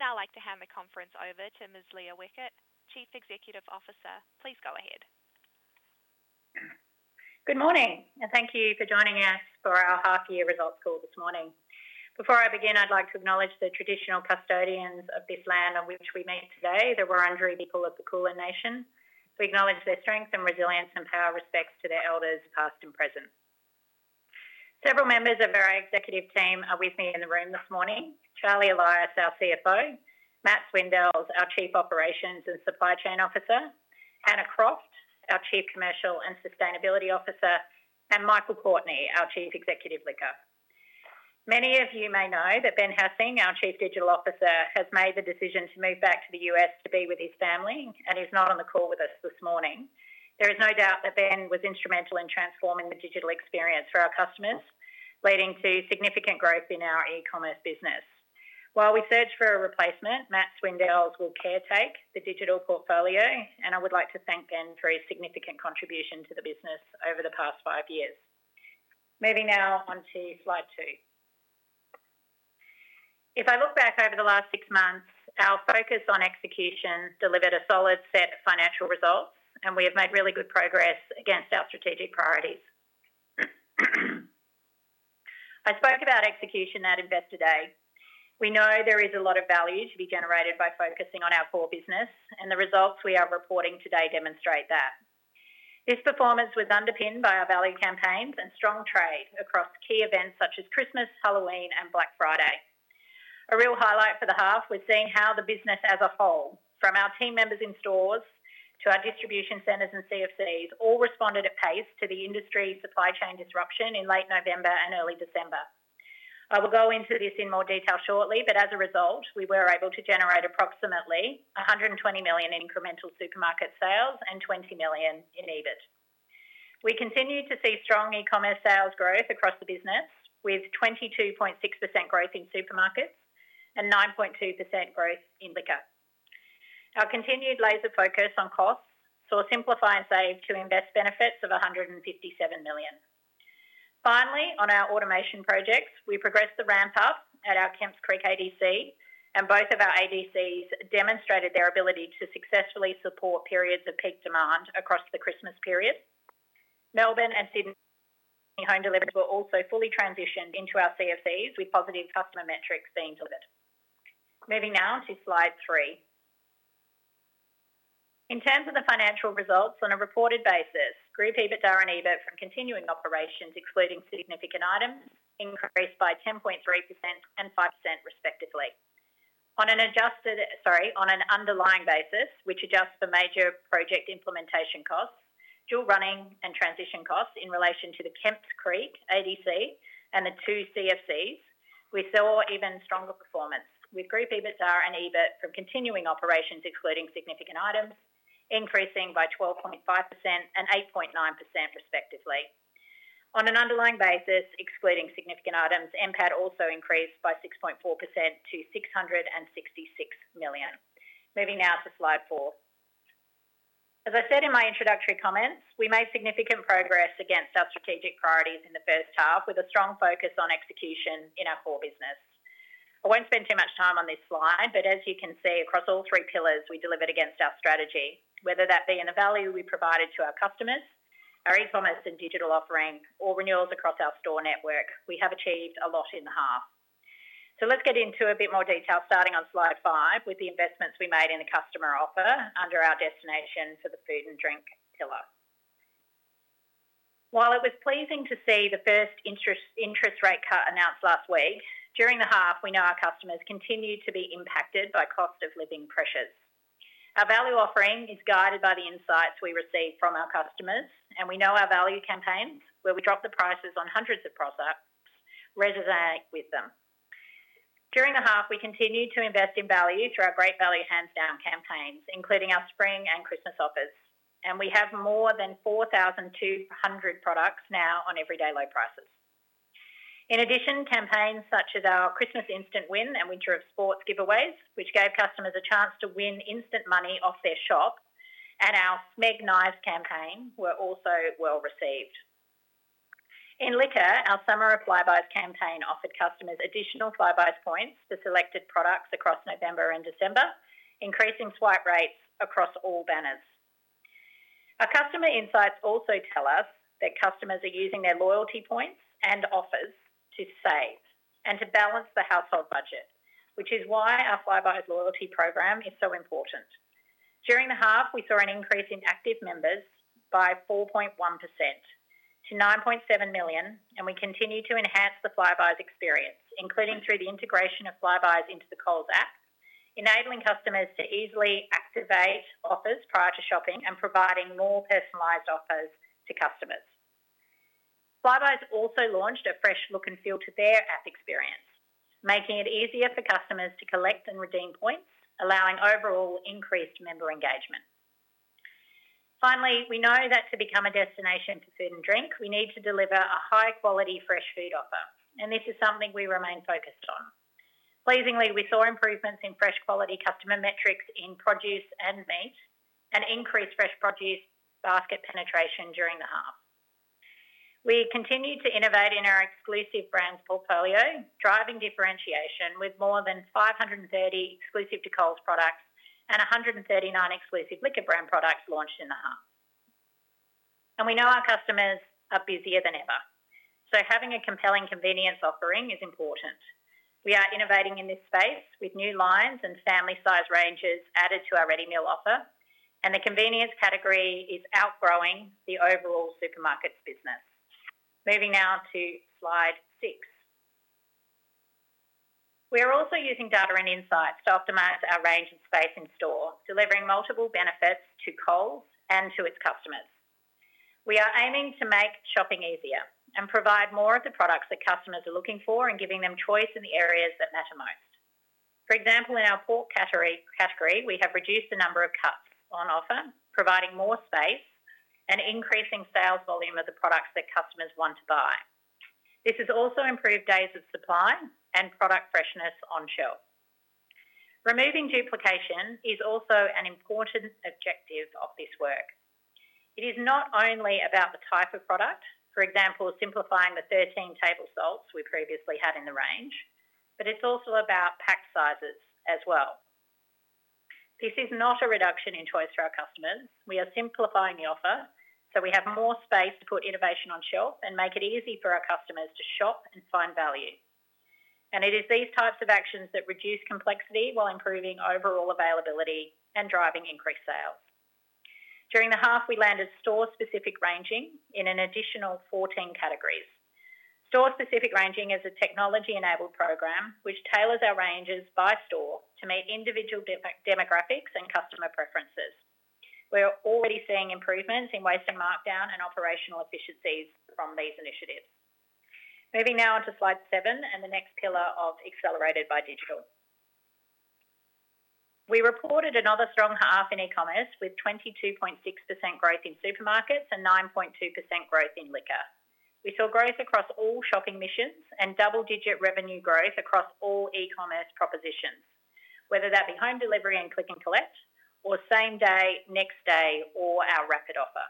I would now like to hand the conference over to Ms. Leah Weckert, Chief Executive Officer. Please go ahead. Good morning, and thank you for joining us for our Half Year Results call this morning. Before I begin, I'd like to acknowledge the traditional custodians of this land on which we meet today, the Wurundjeri people of the Kulin Nation. We acknowledge their strength and resilience and pay our respects to their elders past and present. Several members of our executive team are with me in the room this morning: Charlie Elias, our CFO, Matt Swindells, our Chief Operations and Supply Chain Officer, Anna Croft, our Chief Commercial and Sustainability Officer, and Michael Courtney, our Chief Executive Liquor. Many of you may know that Ben Hassing, our Chief Digital Officer, has made the decision to move back to the U.S. to be with his family and is not on the call with us this morning. There is no doubt that Ben was instrumental in transforming the digital experience for our customers, leading to significant growth in our e-commerce business. While we search for a replacement, Matt Swindells will caretake the digital portfolio, and I would like to thank Ben for his significant contribution to the business over the past five years. Moving now on to slide two. If I look back over the last six months, our focus on execution delivered a solid set of financial results, and we have made really good progress against our strategic priorities. I spoke about execution at Investor Day. We know there is a lot of value to be generated by focusing on our core business, and the results we are reporting today demonstrate that. This performance was underpinned by our value campaigns and strong trade across key events such as Christmas, Halloween, and Black Friday. A real highlight for the half was seeing how the business as a whole, from our team members in stores to our distribution centres and CFCs, all responded at pace to the industry supply chain disruption in late November and early December. I will go into this in more detail shortly, but as a result, we were able to generate approximately 120 million in incremental supermarket sales and 20 million in EBIT. We continue to see strong e-commerce sales growth across the business, with 22.6% growth in Supermarkets and 9.2% growth in Liquor. Our continued laser focus on costs saw Simplify and Save to Invest benefits of 157 million. Finally, on our automation projects, we progressed the ramp-up at our Kemps Creek ADC, and both of our ADCs demonstrated their ability to successfully support periods of peak demand across the Christmas period. Melbourne and Sydney home delivery were also fully transitioned into our CFCs, with positive customer metrics being delivered. Moving now to slide three. In terms of the financial results, on a reported basis, Group EBITDA and EBIT from continuing operations, excluding significant items, increased by 10.3% and 5% respectively. On an adjusted, sorry, on an underlying basis, which adjusts for major project implementation costs, dual running and transition costs in relation to the Kemps Creek ADC and the two CFCs, we saw even stronger performance, with Group EBITDA and EBIT from continuing operations, excluding significant items, increasing by 12.5% and 8.9% respectively. On an underlying basis, excluding significant items, NPAT also increased by 6.4% to 666 million. Moving now to slide four. As I said in my introductory comments, we made significant progress against our strategic priorities in the first half, with a strong focus on execution in our core business. I won't spend too much time on this slide, but as you can see, across all three pillars, we delivered against our strategy, whether that be in the value we provided to our customers, our e-commerce and digital offering, or renewals across our store network. We have achieved a lot in the half. So let's get into a bit more detail, starting on slide five, with the investments we made in the customer offer under our destination for the food and drink pillar. While it was pleasing to see the first interest rate cut announced last week, during the half, we know our customers continued to be impacted by cost-of-living pressures. Our value offering is guided by the insights we receive from our customers, and we know our value campaigns, where we drop the prices on hundreds of products, resonate with them. During the half, we continued to invest in value through our Great Value, Hands Down campaigns, including our spring and Christmas offers, and we have more than 4,200 products now on everyday low prices. In addition, campaigns such as our Christmas Instant Win and Winter of Sports giveaways, which gave customers a chance to win instant money off their shop, and our Smeg Knives campaign were also well received. In Liquor, our Summer of Flybuys campaign offered customers additional Flybuys points for selected products across November and December, increasing swipe rates across all banners. Our customer insights also tell us that customers are using their loyalty points and offers to save and to balance the household budget, which is why our Flybuys loyalty program is so important. During the half, we saw an increase in active members by 4.1% to 9.7 million, and we continue to enhance the Flybuys experience, including through the integration of Flybuys into the Coles app, enabling customers to easily activate offers prior to shopping and providing more personalized offers to customers. Flybuys also launched a fresh look and feel to their app experience, making it easier for customers to collect and redeem points, allowing overall increased member engagement. Finally, we know that to become a destination for food and drink, we need to deliver a high-quality fresh food offer, and this is something we remain focused on. Pleasingly, we saw improvements in fresh quality customer metrics in produce and meat and increased fresh produce basket penetration during the half. We continue to innovate in our exclusive brands portfolio, driving differentiation with more than 530 Exclusive to Coles products and 139 exclusive Liquor brand products launched in the half, and we know our customers are busier than ever, so having a compelling convenience offering is important. We are innovating in this space with new lines and family-size ranges added to our ready meal offer, and the convenience category is outgrowing the overall Supermarkets business. Moving now to slide six. We are also using data and insights to optimize our range and space in store, delivering multiple benefits to Coles and to its customers. We are aiming to make shopping easier and provide more of the products that customers are looking for, giving them choice in the areas that matter most. For example, in our pork category, we have reduced the number of cuts on offer, providing more space and increasing sales volume of the products that customers want to buy. This has also improved days of supply and product freshness on shelf. Removing duplication is also an important objective of this work. It is not only about the type of product, for example, simplifying the 13 table salts we previously had in the range, but it's also about pack sizes as well. This is not a reduction in choice for our customers. We are simplifying the offer so we have more space to put innovation on shelf and make it easy for our customers to shop and find value. And it is these types of actions that reduce complexity while improving overall availability and driving increased sales. During the half, we landed store-specific ranging in an additional 14 categories. Store-specific ranging is a technology-enabled program which tailors our ranges by store to meet individual demographics and customer preferences. We are already seeing improvements in waste and markdown and operational efficiencies from these initiatives. Moving now on to slide seven and the next pillar of accelerated by digital. We reported another strong half in e-commerce with 22.6% growth in Supermarkets and 9.2% growth in Liquor. We saw growth across all shopping missions and double-digit revenue growth across all e-commerce propositions, whether that be home delivery and click and collect, or same day, next day, or our Rapid offer.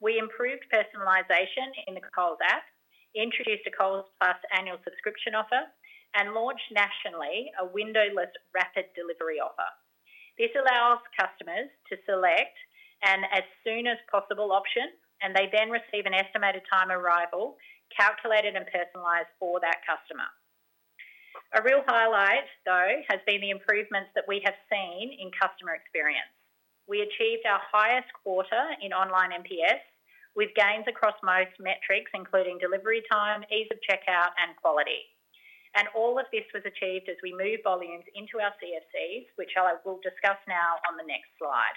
We improved personalization in the Coles app, introduced a Coles Plus annual subscription offer, and launched nationally a windowless Rapid Delivery offer. This allows customers to select an as-soon-as-possible option, and they then receive an estimated time of arrival calculated and personalized for that customer. A real highlight, though, has been the improvements that we have seen in customer experience. We achieved our highest quarter in online NPS with gains across most metrics, including delivery time, ease of checkout, and quality. And all of this was achieved as we moved volumes into our CFCs, which I will discuss now on the next slide.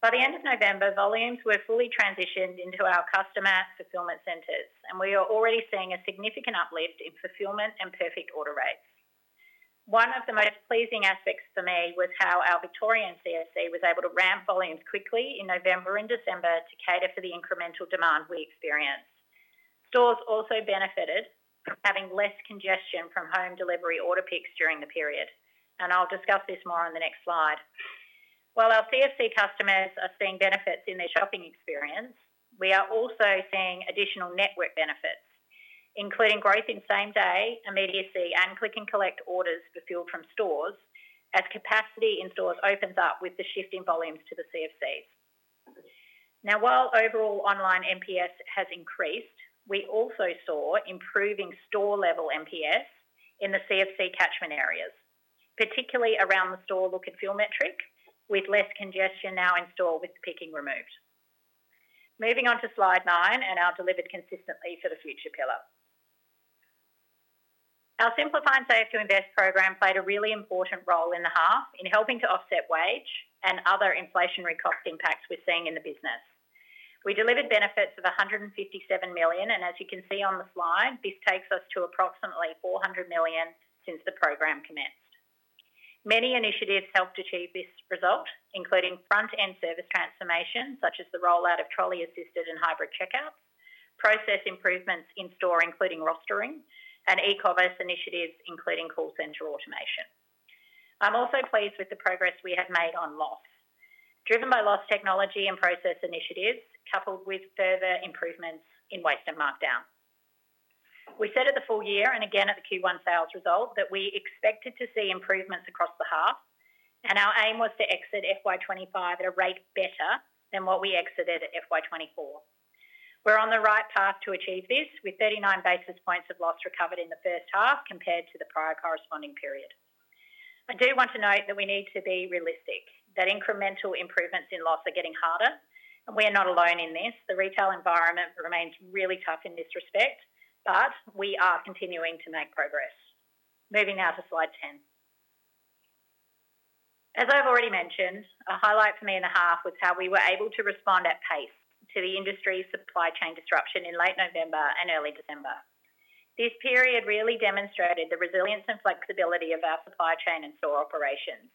By the end of November, volumes were fully transitioned into our Customer Fulfilment Centres, and we are already seeing a significant uplift in fulfillment and perfect order rates. One of the most pleasing aspects for me was how our Victorian CFC was able to ramp volumes quickly in November and December to cater for the incremental demand we experienced. Stores also benefited from having less congestion from home delivery order picks during the period, and I'll discuss this more on the next slide. While our CFC customers are seeing benefits in their shopping experience, we are also seeing additional network benefits, including growth in same-day, immediacy, and click and collect orders fulfilled from stores as capacity in stores opens up with the shift in volumes to the CFCs. Now, while overall online NPS has increased, we also saw improving store-level NPS in the CFC catchment areas, particularly around the store look-and-feel metric, with less congestion now in store with picking removed. Moving on to slide nine and our delivered consistently for the future pillar. Our Simplify and Save to Invest program played a really important role in the half in helping to offset wage and other inflationary cost impacts we're seeing in the business. We delivered benefits of 157 million, and as you can see on the slide, this takes us to approximately 400 million since the program commenced. Many initiatives helped achieve this result, including front-end service transformation, such as the rollout of trolley-assisted and hybrid checkouts, process improvements in store, including rostering, and e-commerce initiatives, including call center automation. I'm also pleased with the progress we have made on loss, driven by loss technology and process initiatives, coupled with further improvements in waste and markdown. We said at the full year and again at the Q1 sales result that we expected to see improvements across the half, and our aim was to exit FY 2025 at a rate better than what we exited at FY 2024. We're on the right path to achieve this with 39 basis points of loss recovered in the first half compared to the prior corresponding period. I do want to note that we need to be realistic, that incremental improvements in loss are getting harder, and we are not alone in this. The retail environment remains really tough in this respect, but we are continuing to make progress. Moving now to slide 10. As I've already mentioned, a highlight for me in the half was how we were able to respond at pace to the industry supply chain disruption in late November and early December. This period really demonstrated the resilience and flexibility of our supply chain and store operations.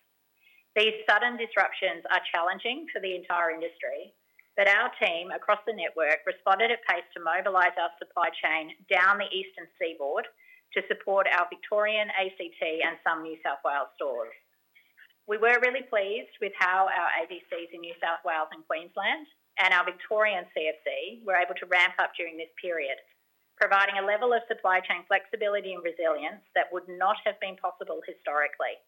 These sudden disruptions are challenging for the entire industry, but our team across the network responded at pace to mobilize our supply chain down the Eastern Seaboard to support our Victorian ADC and some New South Wales stores. We were really pleased with how our ADCs in New South Wales and Queensland and our Victorian CFC were able to ramp up during this period, providing a level of supply chain flexibility and resilience that would not have been possible historically.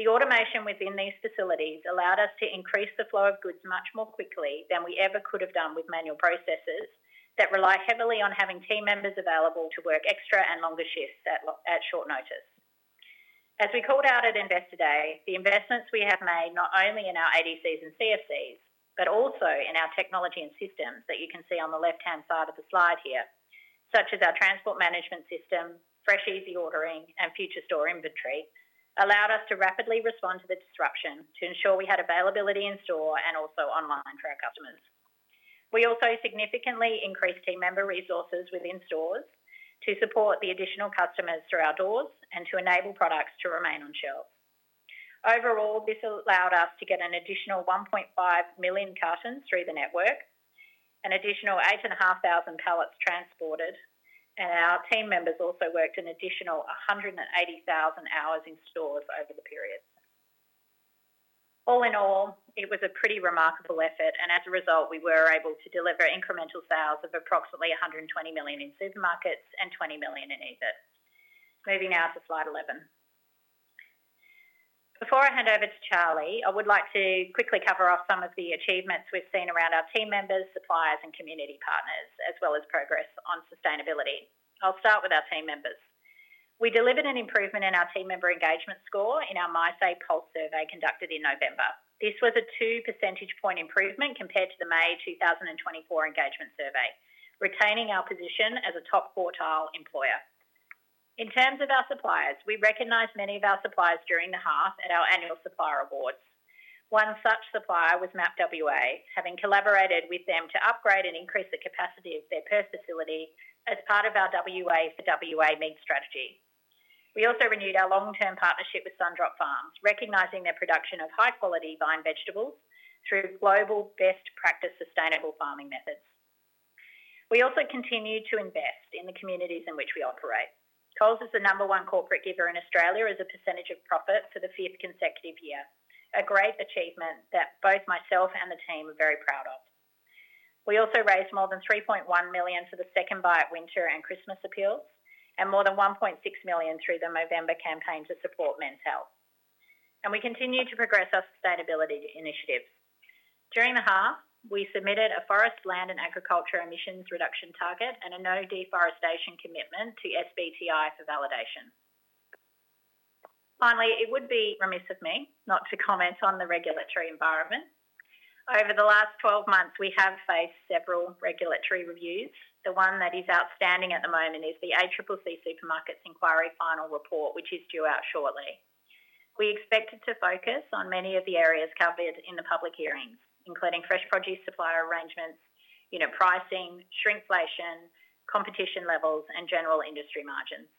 The automation within these facilities allowed us to increase the flow of goods much more quickly than we ever could have done with manual processes that rely heavily on having team members available to work extra and longer shifts at short notice. As we called out at Investor Day, the investments we have made, not only in our ADCs and CFCs, but also in our technology and systems that you can see on the left-hand side of the slide here, such as our transport management system, fresh easy ordering, and future store inventory, allowed us to rapidly respond to the disruption to ensure we had availability in store and also online for our customers. We also significantly increased team member resources within stores to support the additional customers through our doors and to enable products to remain on shelf. Overall, this allowed us to get an additional 1.5 million cartons through the network, an additional 8,500 pallets transported, and our team members also worked an additional 180,000 hours in stores over the period. All in all, it was a pretty remarkable effort, and as a result, we were able to deliver incremental sales of approximately 120 million in Supermarkets and 20 million in EBIT. Moving now to slide 11. Before I hand over to Charlie, I would like to quickly cover off some of the achievements we've seen around our team members, suppliers, and community partners, as well as progress on sustainability. I'll start with our team members. We delivered an improvement in our team member engagement score in our mySay Coles survey conducted in November. This was a two percentage point improvement compared to the May 2024 engagement survey, retaining our position as a top quartile employer. In terms of our suppliers, we recognized many of our suppliers during the half at our annual supplier awards. One such supplier was MAP WA, having collaborated with them to upgrade and increase the capacity of their Perth facility as part of our WA for WA meat strategy. We also renewed our long-term partnership with Sundrop Farms, recognizing their production of high-quality vine vegetables through global best practice sustainable farming methods. We also continue to invest in the communities in which we operate. Coles is the number one corporate giver in Australia as a percentage of profit for the fifth consecutive year, a great achievement that both myself and the team are very proud of. We also raised more than 3.1 million for the SecondBite Winter and Christmas Appeals and more than 1.6 million through the November campaign to support men's health. We continue to progress our sustainability initiatives. During the half, we submitted a Forest, Land, and Agriculture emissions reduction target and a no deforestation commitment to SBTi for validation. Finally, it would be remiss of me not to comment on the regulatory environment. Over the last 12 months, we have faced several regulatory reviews. The one that is outstanding at the moment is the ACCC Supermarkets Inquiry final report, which is due out shortly. We expected to focus on many of the areas covered in the public hearings, including fresh produce supplier arrangements, pricing, shrinkflation, competition levels, and general industry margins.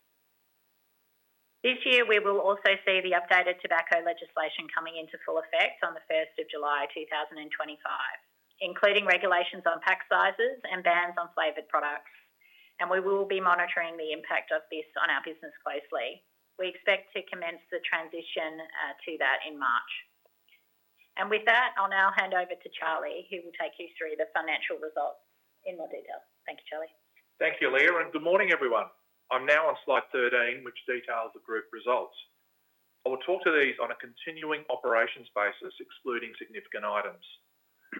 This year, we will also see the updated tobacco legislation coming into full effect on the 1st of July 2025, including regulations on pack sizes and bans on flavored products. We will be monitoring the impact of this on our business closely. We expect to commence the transition to that in March. And with that, I'll now hand over to Charlie, who will take you through the financial results in more detail. Thank you, Charlie. Thank you, Leah, and good morning, everyone. I'm now on slide 13, which details the group results. I will talk to these on a continuing operations basis, excluding significant items.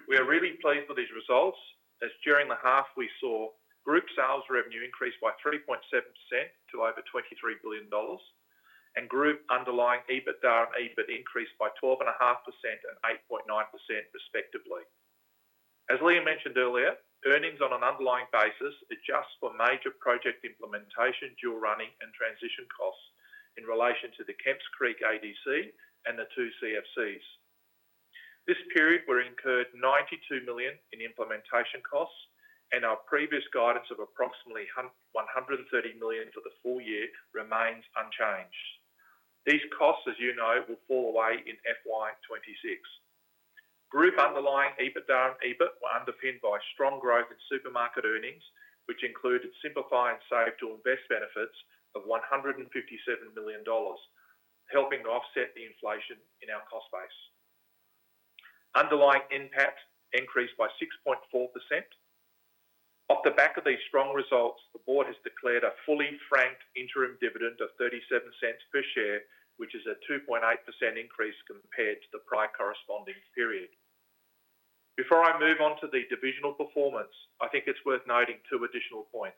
We are really pleased with these results as during the half, we saw group sales revenue increase by 3.7% to over 23 billion dollars, and group underlying EBITDA and EBIT increased by 12.5% and 8.9%, respectively. As Leah mentioned earlier, earnings on an underlying basis adjust for major project implementation, dual running, and transition costs in relation to the Kemps Creek ADC and the two CFCs. This period, we incurred 92 million in implementation costs, and our previous guidance of approximately 130 million for the full year remains unchanged. These costs, as you know, will fall away in FY 2026. Group underlying EBITDA and EBIT were underpinned by strong growth in supermarket earnings, which included Simplify and Save to Invest benefits of 157 million dollars, helping offset the inflation in our cost base. Underlying NPAT increased by 6.4%. Off the back of these strong results, the board has declared a fully franked interim dividend of 0.37 per share, which is a 2.8% increase compared to the prior corresponding period. Before I move on to the divisional performance, I think it's worth noting two additional points.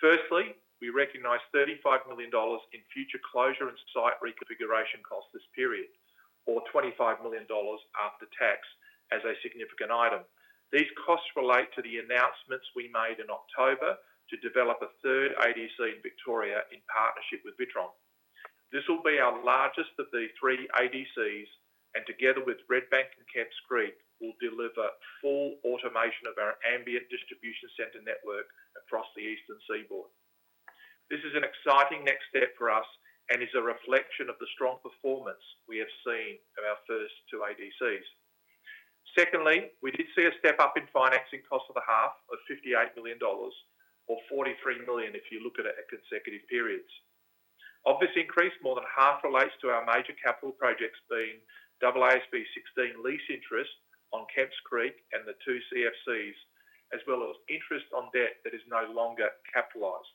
Firstly, we recognize 35 million dollars in future closure and site reconfiguration costs this period, or 25 million dollars after tax, as a significant item. These costs relate to the announcements we made in October to develop a third ADC in Victoria in partnership with Witron. This will be our largest of the three ADCs, and together with Redbank and Kemps Creek, we'll deliver full automation of our ambient distribution center network across the Eastern Seaboard. This is an exciting next step for us and is a reflection of the strong performance we have seen of our first two ADCs. Secondly, we did see a step up in financing costs for the half of 58 million dollars, or 43 million if you look at it at consecutive periods. Of this increase, more than half relates to our major capital projects being AASB 16 lease interest on Kemps Creek and the two CFCs, as well as interest on debt that is no longer capitalized.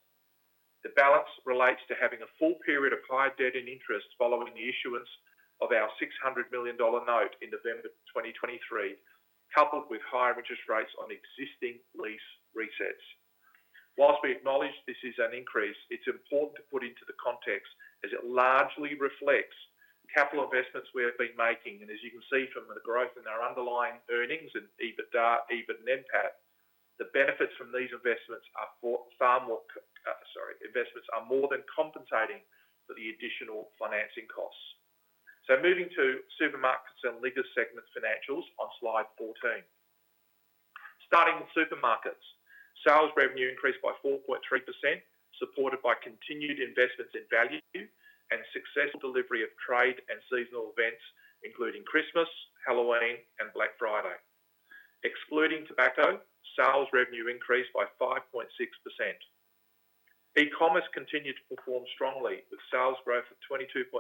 The balance relates to having a full period of high debt and interest following the issuance of our 600 million dollar note in November 2023, coupled with higher interest rates on existing lease resets. While we acknowledge this is an increase, it's important to put into the context as it largely reflects capital investments we have been making. And as you can see from the growth in our underlying earnings and EBITDA, EBIT, and NPAT, the benefits from these investments are more than compensating for the additional financing costs. So moving to Supermarkets and Liquor segment financials on slide 14. Starting with Supermarkets, sales revenue increased by 4.3%, supported by continued investments in value and successful delivery of trade and seasonal events, including Christmas, Halloween, and Black Friday. Excluding tobacco, sales revenue increased by 5.6%. E-commerce continued to perform strongly, with sales growth of 22.6%,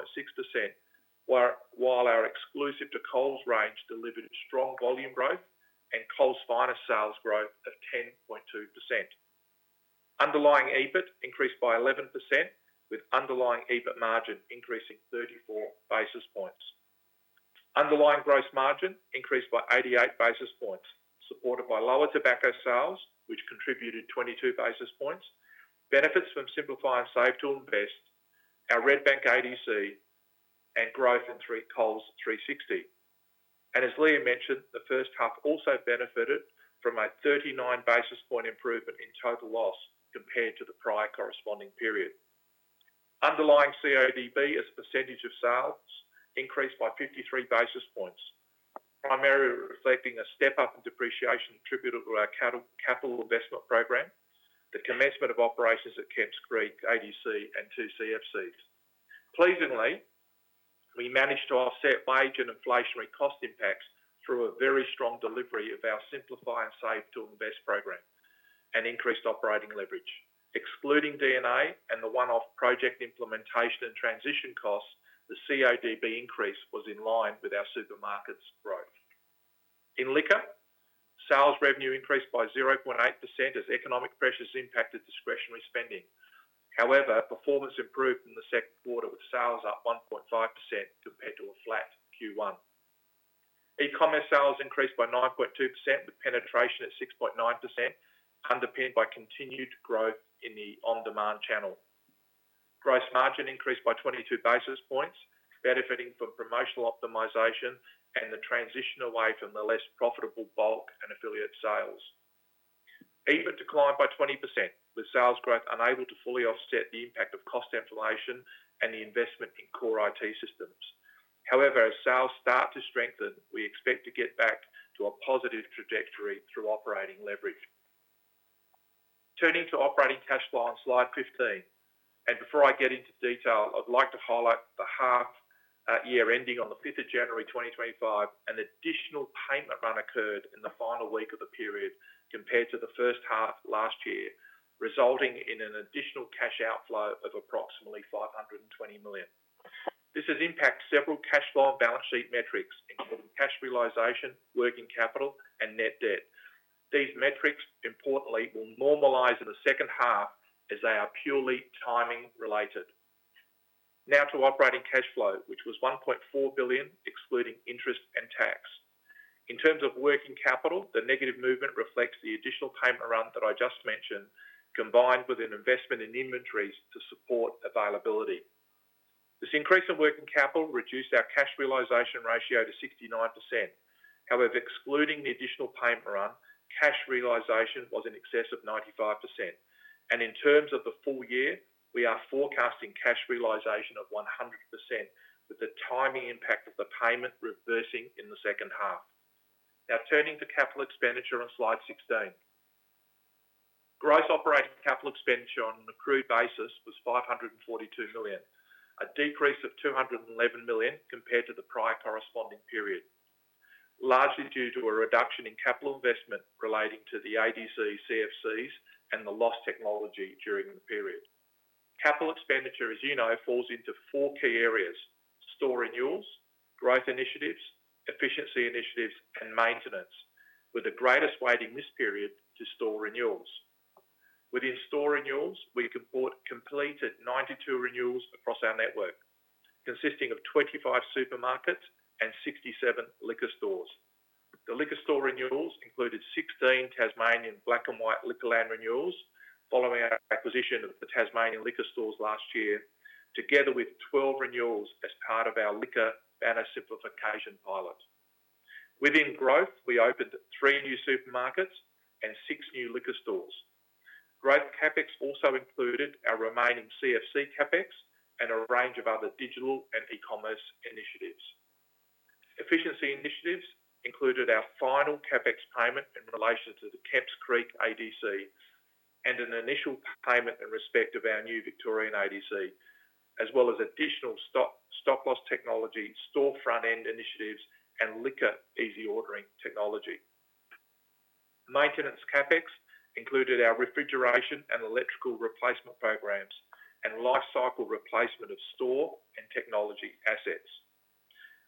while our Exclusive to Coles range delivered strong volume growth and Coles Finest sales growth of 10.2%. Underlying EBIT increased by 11%, with underlying EBIT margin increasing 34 basis points. Underlying gross margin increased by 88 basis points, supported by lower tobacco sales, which contributed 22 basis points, benefits from Simplify and Save to Invest, our Redbank ADC, and growth in Coles 360, and as Leah mentioned, the first half also benefited from a 39 basis point improvement in total loss compared to the prior corresponding period. Underlying CODB as a percentage of sales increased by 53 basis points, primarily reflecting a step up in depreciation attributable to our capital investment program, the commencement of operations at Kemps Creek ADC and two CFCs. Pleasingly, we managed to offset wage and inflationary cost impacts through a very strong delivery of our Simplify and Save to Invest program and increased operating leverage. Excluding D&A and the one-off project implementation and transition costs, the CODB increase was in line with our Supermarkets' growth. In Liquor, sales revenue increased by 0.8% as economic pressures impacted discretionary spending. However, performance improved in the second quarter, with sales up 1.5% compared to a flat Q1. E-commerce sales increased by 9.2%, with penetration at 6.9%, underpinned by continued growth in the on-demand channel. Gross margin increased by 22 basis points, benefiting from promotional optimization and the transition away from the less profitable bulk and affiliate sales. EBIT declined by 20%, with sales growth unable to fully offset the impact of cost inflation and the investment in core IT systems. However, as sales start to strengthen, we expect to get back to a positive trajectory through operating leverage. Turning to operating cash flow on slide 15, and before I get into detail, I'd like to highlight the half year ending on the 5th of January 2025. An additional payment run occurred in the final week of the period compared to the first half last year, resulting in an additional cash outflow of approximately 520 million. This has impacted several cash flow and balance sheet metrics, including cash realization, working capital, and net debt. These metrics, importantly, will normalize in the second half as they are purely timing related. Now to operating cash flow, which was 1.4 billion, excluding interest and tax. In terms of working capital, the negative movement reflects the additional payment run that I just mentioned, combined with an investment in inventories to support availability. This increase in working capital reduced our cash realization ratio to 69%. However, excluding the additional payment run, cash realization was in excess of 95%. And in terms of the full year, we are forecasting cash realization of 100%, with the timing impact of the payment reversing in the second half. Now turning to capital expenditure on slide 16. Gross operating capital expenditure on an accrued basis was 542 million, a decrease of 211 million compared to the prior corresponding period, largely due to a reduction in capital investment relating to the ADC, CFCs, and the loss technology during the period. Capital expenditure, as you know, falls into four key areas: store renewals, growth initiatives, efficiency initiatives, and maintenance, with the greatest weight in this period to store renewals. Within store renewals, we completed 92 renewals across our network, consisting of 25 Supermarkets and 67 Liquor stores. The Liquor store renewals included 16 Tasmanian Black and White Liquorland renewals following our acquisition of the Tasmanian Liquor stores last year, together with 12 renewals as part of our Liquor banner simplification pilot. Within growth, we opened three new Supermarkets and six new Liquor stores. Growth CapEx also included our remaining CFC CapEx and a range of other digital and e-commerce initiatives. Efficiency initiatives included our final CapEx payment in relation to the Kemps Creek ADC and an initial payment in respect of our new Victorian ADC, as well as additional stock-loss technology, store front-end initiatives, and Liquor Easy Ordering technology. Maintenance CapEx included our refrigeration and electrical replacement programs and life cycle replacement of store and technology assets.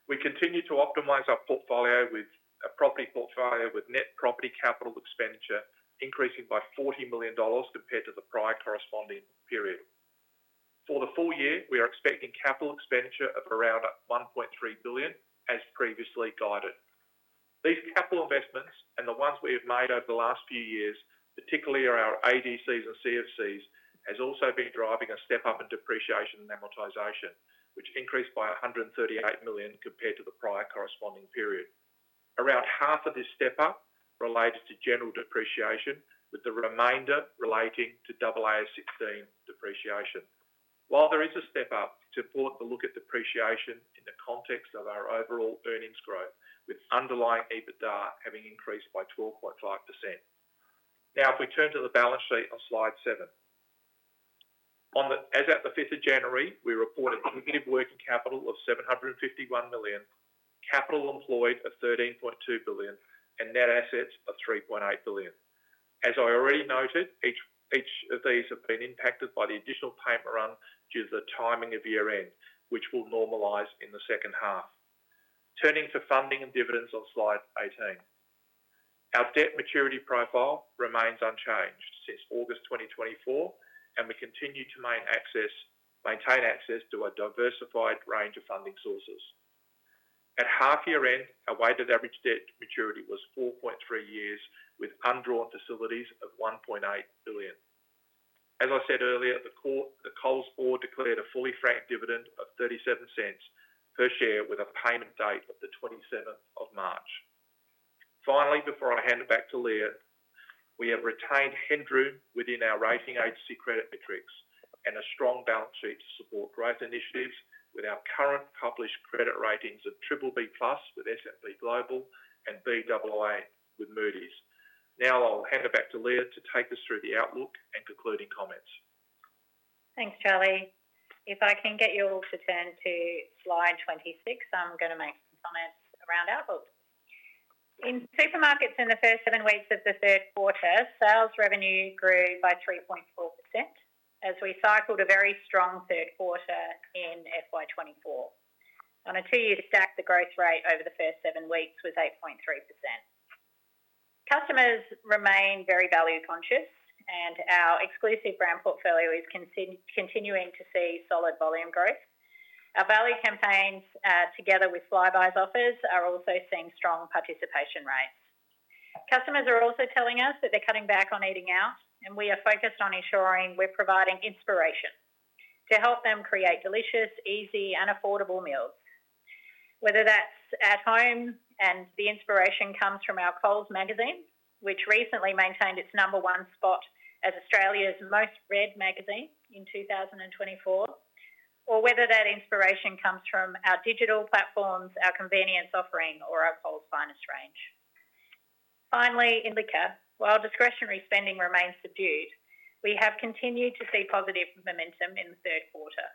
We continue to optimize our portfolio with a property portfolio with net property capital expenditure increasing by 40 million dollars compared to the prior corresponding period. For the full year, we are expecting capital expenditure of around 1.3 billion, as previously guided. These capital investments and the ones we have made over the last few years, particularly our ADCs and CFCs, have also been driving a step up in depreciation and amortization, which increased by 138 million compared to the prior corresponding period. Around half of this step up related to general depreciation, with the remainder relating to AASB 16 depreciation. While there is a step up, it is important to look at depreciation in the context of our overall earnings growth, with underlying EBITDA having increased by 12.5%. Now, if we turn to the balance sheet on slide 7. As of the 5th of January, we reported negative working capital of 751 million, capital employed of 13.2 billion, and net assets of 3.8 billion. As I already noted, each of these have been impacted by the additional payment run due to the timing of year-end, which will normalize in the second half. Turning to funding and dividends on slide 18. Our debt maturity profile remains unchanged since August 2024, and we continue to maintain access to a diversified range of funding sources. At half year end, our weighted average debt maturity was 4.3 years, with undrawn facilities of 1.8 billion. As I said earlier, the Coles Board declared a fully franked dividend of 0.37 per share with a payment date of the 27th of March. Finally, before I hand it back to Leah, we have retained headroom within our rating agency credit metrics and a strong balance sheet to support growth initiatives with our current published credit ratings of BBB+ with S&P Global and Baa1 with Moody's. Now I'll hand it back to Leah to take us through the outlook and concluding comments. Thanks, Charlie. If I can get you all to turn to slide 26, I'm going to make some comments around outlook. In Supermarkets in the first seven weeks of the third quarter, sales revenue grew by 3.4% as we cycled a very strong third quarter in FY 2024. On a two-year stack, the growth rate over the first seven weeks was 8.3%. Customers remain very value conscious, and our exclusive brand portfolio is continuing to see solid volume growth. Our value campaigns, together with Flybuys' offers, are also seeing strong participation rates. Customers are also telling us that they're cutting back on eating out, and we are focused on ensuring we're providing inspiration to help them create delicious, easy, and affordable meals. Whether that's at home and the inspiration comes from our Coles Magazine, which recently maintained its number one spot as Australia's most read magazine in 2024, or whether that inspiration comes from our digital platforms, our convenience offering, or our Coles Finest range. Finally, in Liquor, while discretionary spending remains subdued, we have continued to see positive momentum in the third quarter,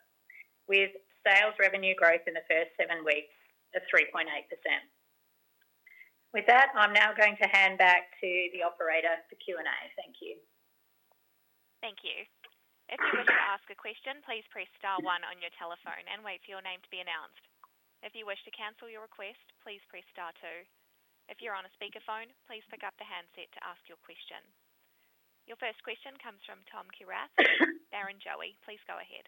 with sales revenue growth in the first seven weeks of 3.8%. With that, I'm now going to hand back to the operator for Q&A. Thank you. Thank you. If you wish to ask a question, please press star one on your telephone and wait for your name to be announced. If you wish to cancel your request, please press star two. If you're on a speakerphone, please pick up the handset to ask your question. Your first question comes from Tom Kierath, Barrenjoey. Please go ahead.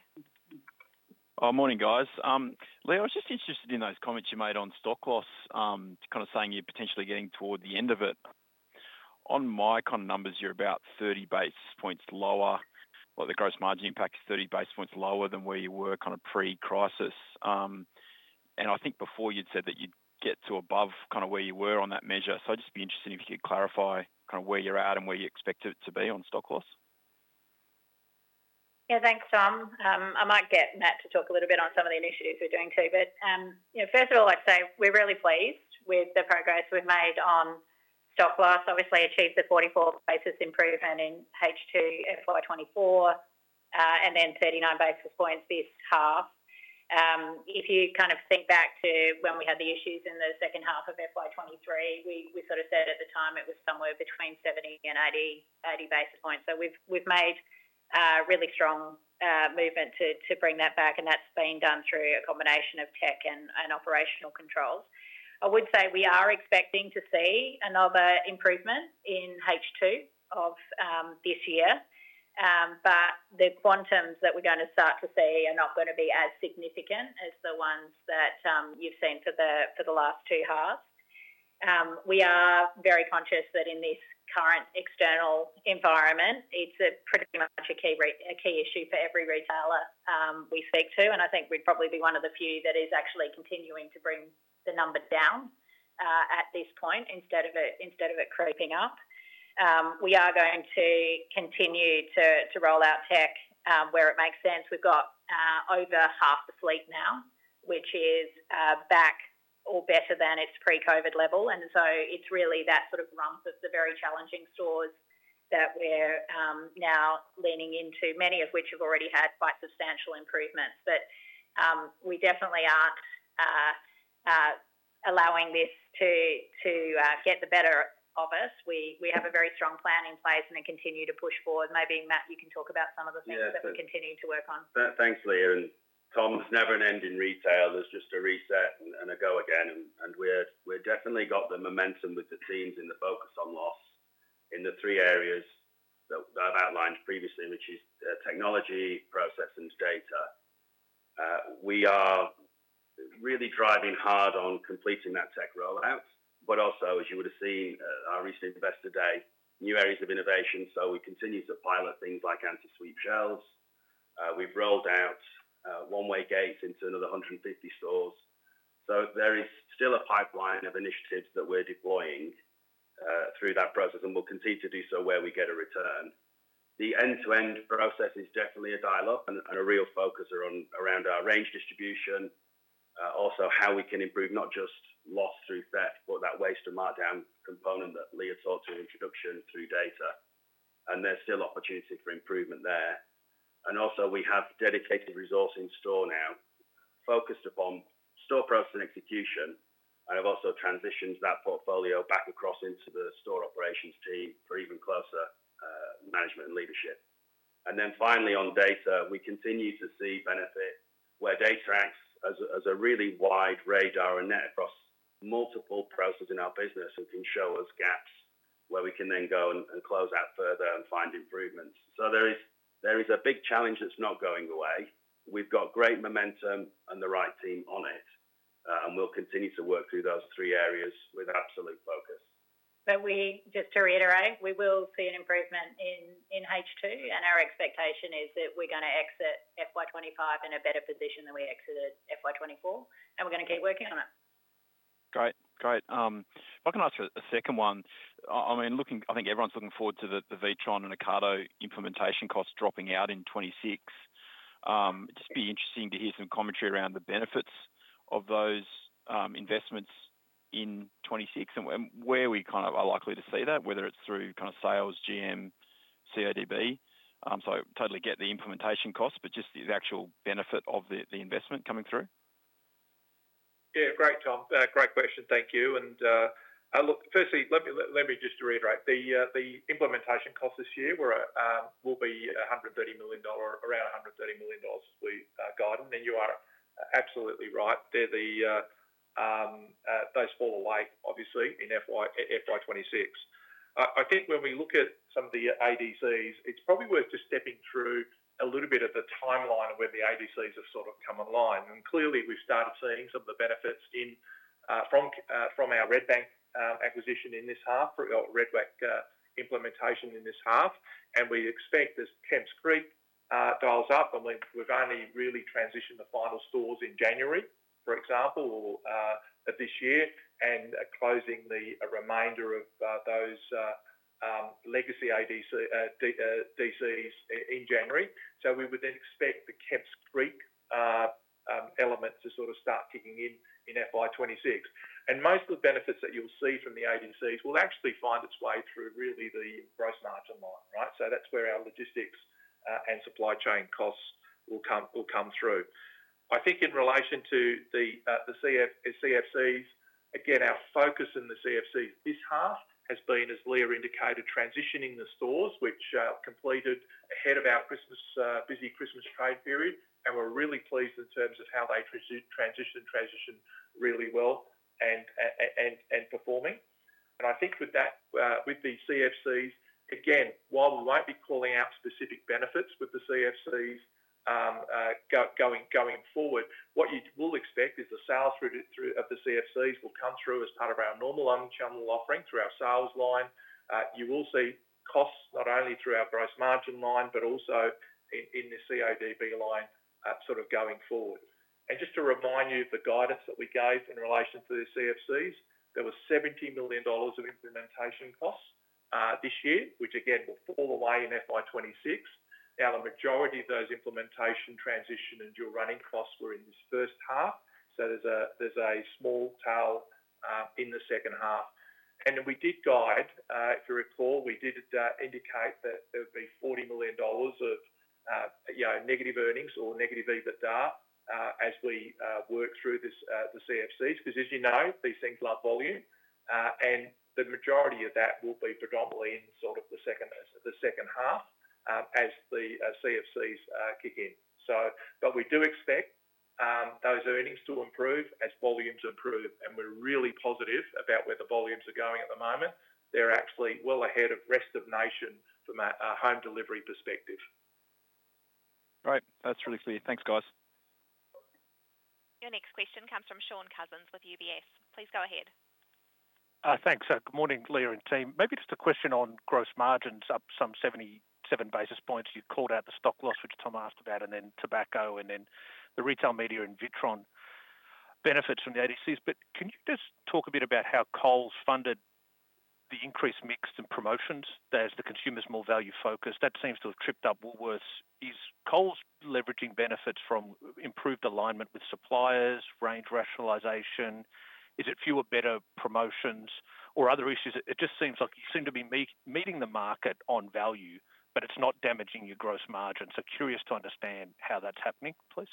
Morning, guys. Leah, I was just interested in those comments you made on stock loss, kind of saying you're potentially getting toward the end of it. On my kind of numbers, you're about 30 basis points lower. The gross margin impact is 30 basis points lower than where you were kind of pre-crisis. And I think before you'd said that you'd get to above kind of where you were on that measure. So I'd just be interested if you could clarify kind of where you're at and where you expect it to be on stock loss. Yeah, thanks, Tom. I might get Matt to talk a little bit on some of the initiatives we're doing too. But first of all, I'd say we're really pleased with the progress we've made on stock loss. Obviously, achieved a 44 basis improvement in H2 FY 2024 and then 39 basis points this half. If you kind of think back to when we had the issues in the second half of FY 2023, we sort of said at the time it was somewhere between 70 and 80 basis points, so we've made a really strong movement to bring that back, and that's been done through a combination of tech and operational controls. I would say we are expecting to see another improvement in H2 of this year, but the quantums that we're going to start to see are not going to be as significant as the ones that you've seen for the last two halves. We are very conscious that in this current external environment, it's pretty much a key issue for every retailer we speak to, and I think we'd probably be one of the few that is actually continuing to bring the number down at this point instead of it creeping up. We are going to continue to roll out tech where it makes sense. We've got over half the fleet now, which is back or better than its pre-COVID level. And so it's really that sort of rump of the very challenging stores that we're now leaning into, many of which have already had quite substantial improvements. But we definitely aren't allowing this to get the better of us. We have a very strong plan in place and continue to push forward. Maybe, Matt, you can talk about some of the things that we continue to work on. Thanks, Leah. And Tom, there's never an end in retail. There's just a reset and a go again. And we've definitely got the momentum with the teams in the focus on loss in the three areas that I've outlined previously, which is technology, process, and data. We are really driving hard on completing that tech rollout, but also, as you would have seen, our recent Investor Day, new areas of innovation, so we continue to pilot things like anti-sweep shelves. We've rolled out one-way gates into another 150 stores, so there is still a pipeline of initiatives that we're deploying through that process, and we'll continue to do so where we get a return. The end-to-end process is definitely a dial-up and a real focus around our range distribution, also how we can improve not just loss through theft, but that waste and markdown component that Leah talked to in the introduction through data, and there's still opportunity for improvement there, and also, we have dedicated resources in store now focused upon store process and execution. I have also transitioned that portfolio back across into the store operations team for even closer management and leadership. And then finally, on data, we continue to see benefit where data acts as a really wide radar and net across multiple processes in our business and can show us gaps where we can then go and close out further and find improvements. So there is a big challenge that's not going away. We've got great momentum and the right team on it, and we'll continue to work through those three areas with absolute focus. But just to reiterate, we will see an improvement in H2, and our expectation is that we're going to exit FY 2025 in a better position than we exited FY 2024, and we're going to keep working on it. Great. Great. If I can ask a second one, I mean, I think everyone's looking forward to the Witron and Ocado implementation costs dropping out in 2026. It'd just be interesting to hear some commentary around the benefits of those investments in '26 and where we kind of are likely to see that, whether it's through kind of sales, GM, CODB. So totally get the implementation costs, but just the actual benefit of the investment coming through. Yeah, great, Tom. Great question. Thank you. And look, firstly, let me just reiterate. The implementation costs this year will be around 130 million dollars as we guide. And then you are absolutely right. Those fall away, obviously, in FY 2026. I think when we look at some of the ADCs, it's probably worth just stepping through a little bit of the timeline of where the ADCs have sort of come online. And clearly, we've started seeing some of the benefits from our Redbank acquisition in this half or Redbank implementation in this half. We expect as Kemps Creek dials up, and we've only really transitioned the final stores in January, for example, or this year, and closing the remainder of those legacy ADCs in January. So we would then expect the Kemps Creek element to sort of start kicking in in FY 2026. And most of the benefits that you'll see from the ADCs will actually find its way through really the gross margin line, right? So that's where our logistics and supply chain costs will come through. I think in relation to the CFCs, again, our focus in the CFCs this half has been, as Leah indicated, transitioning the stores, which completed ahead of our busy Christmas trade period. And we're really pleased in terms of how they transitioned really well and performing. I think with the CFCs, again, while we won't be calling out specific benefits with the CFCs going forward, what you will expect is the sales through the CFCs will come through as part of our normal own channel offering through our sales line. You will see costs not only through our gross margin line, but also in the CODB line sort of going forward. Just to remind you of the guidance that we gave in relation to the CFCs, there was 70 million dollars of implementation costs this year, which again will fall away in FY 2026. Now, the majority of those implementation transition and our running costs were in this first half. There's a small tail in the second half. And we did guide, if you recall. We did indicate that there would be 40 million dollars of negative earnings or negative EBITDA as we work through the CFCs. Because as you know, these things love volume. And the majority of that will be predominantly in sort of the second half as the CFCs kick in. But we do expect those earnings to improve as volumes improve. And we're really positive about where the volumes are going at the moment. They're actually well ahead of the rest of the nation from a home delivery perspective. Right. That's really clear. Thanks, guys. Your next question comes from Shaun Cousins with UBS. Please go ahead. Thanks. Good morning, Leah and team. Maybe just a question on gross margins, up some 77 basis points. You called out the stock loss, which Tom asked about, and then tobacco, and then the retail media and Witron benefits from the ADCs. But can you just talk a bit about how Coles funded the increased mix and promotions as the consumer's more value focused? That seems to have tripped up Woolworths. Is Coles leveraging benefits from improved alignment with suppliers, range rationalization? Is it fewer, better promotions, or other issues? It just seems like you seem to be meeting the market on value, but it's not damaging your gross margin. So curious to understand how that's happening, please.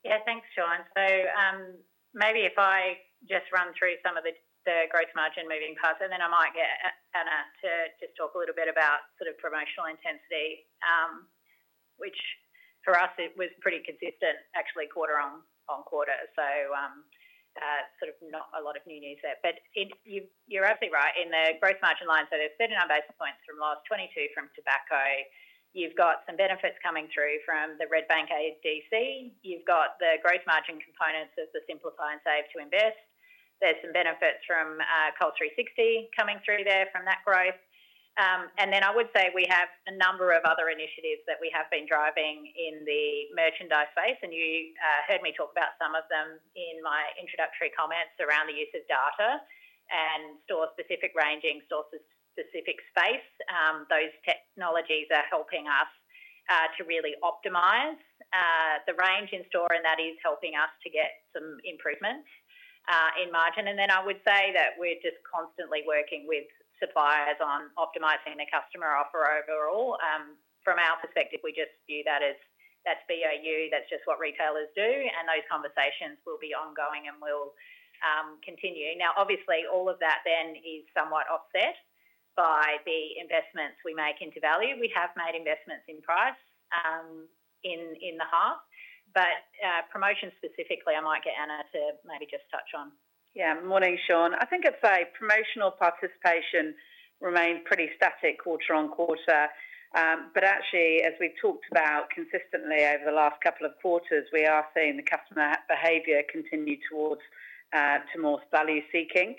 Yeah, thanks, Shaun. So maybe if I just run through some of the gross margin moving parts, and then I might get Anna to just talk a little bit about sort of promotional intensity, which for us, it was pretty consistent, actually, quarter on quarter. So sort of not a lot of new news there. But you're absolutely right. In the gross margin lines, there's 39 basis points from loss 22 from tobacco. You've got some benefits coming through from the Redbank ADC. You've got the gross margin components of the Simplify and Save to Invest. There's some benefits from Coles 360 coming through there from that growth. And then I would say we have a number of other initiatives that we have been driving in the merchandise space. And you heard me talk about some of them in my introductory comments around the use of data and store-specific ranging, store-specific space. Those technologies are helping us to really optimize the range in store, and that is helping us to get some improvement in margin. And then I would say that we're just constantly working with suppliers on optimizing the customer offer overall. From our perspective, we just view that as that's BAU. That's just what retailers do, and those conversations will be ongoing and will continue. Now, obviously, all of that then is somewhat offset by the investments we make into value. We have made investments in price in the half, but promotion specifically, I might get Anna to maybe just touch on. Yeah. Morning, Shaun. I think I'd say promotional participation remained pretty static quarter on quarter. But actually, as we've talked about consistently over the last couple of quarters, we are seeing the customer behavior continue towards more value seeking.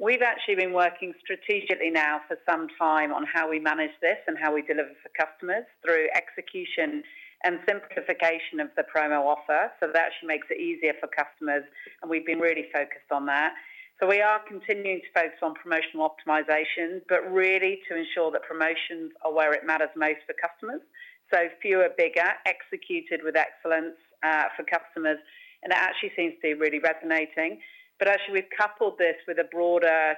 We've actually been working strategically now for some time on how we manage this and how we deliver for customers through execution and simplification of the promo offer. So that actually makes it easier for customers, and we've been really focused on that. We are continuing to focus on promotional optimization, but really to ensure that promotions are where it matters most for customers. Fewer, bigger, executed with excellence for customers. It actually seems to be really resonating. Actually, we've coupled this with a broader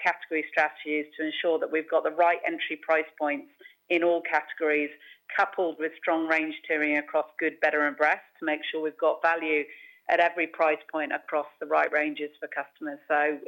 category strategy to ensure that we've got the right entry price points in all categories, coupled with strong range tiering across good, better, and best to make sure we've got value at every price point across the right ranges for customers.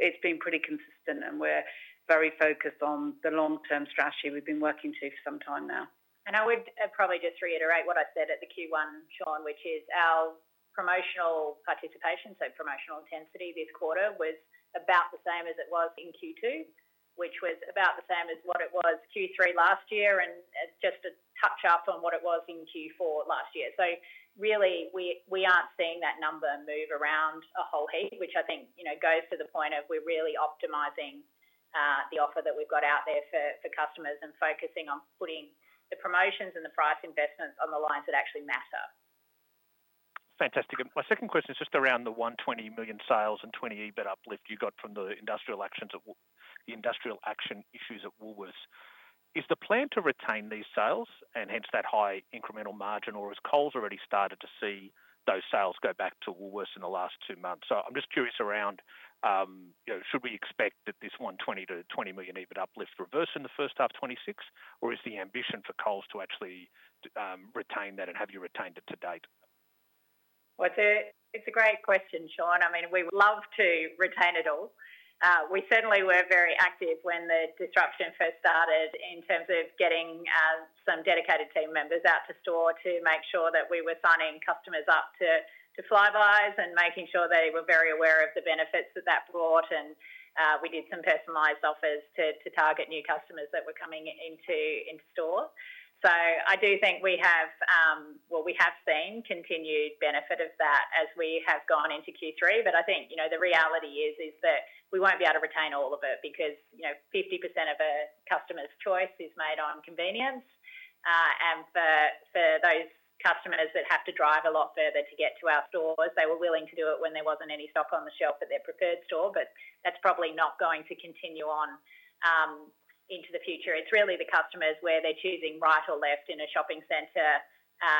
It's been pretty consistent, and we're very focused on the long-term strategy we've been working to for some time now. I would probably just reiterate what I said at the Q1, Shaun, which is our promotional participation, so promotional intensity this quarter was about the same as it was in Q2, which was about the same as what it was Q3 last year and just a touch-up on what it was in Q4 last year. So really, we aren't seeing that number move around a whole heap, which I think goes to the point of we're really optimizing the offer that we've got out there for customers and focusing on putting the promotions and the price investments on the lines that actually matter. Fantastic. My second question is just around the 120 million sales and 20 million EBIT uplift you got from the industrial action issues at Woolworths. Is the plan to retain these sales and hence that high incremental margin, or has Coles already started to see those sales go back to Woolworths in the last two months? So I'm just curious around, should we expect that this 120 to 20 million EBIT uplift reverse in the first half of 2026, or is the ambition for Coles to actually retain that, and have you retained it to date? Well, it's a great question, Shaun. I mean, we would love to retain it all. We certainly were very active when the disruption first started in terms of getting some dedicated team members out to store to make sure that we were signing customers up to Flybuys and making sure they were very aware of the benefits that that brought. And we did some personalized offers to target new customers that were coming into store. So I do think we have, well, we have seen continued benefit of that as we have gone into Q3. But I think the reality is that we won't be able to retain all of it because 50% of a customer's choice is made on convenience. And for those customers that have to drive a lot further to get to our stores, they were willing to do it when there wasn't any stock on the shelf at their preferred store. But that's probably not going to continue on into the future. It's really the customers where they're choosing right or left in a shopping center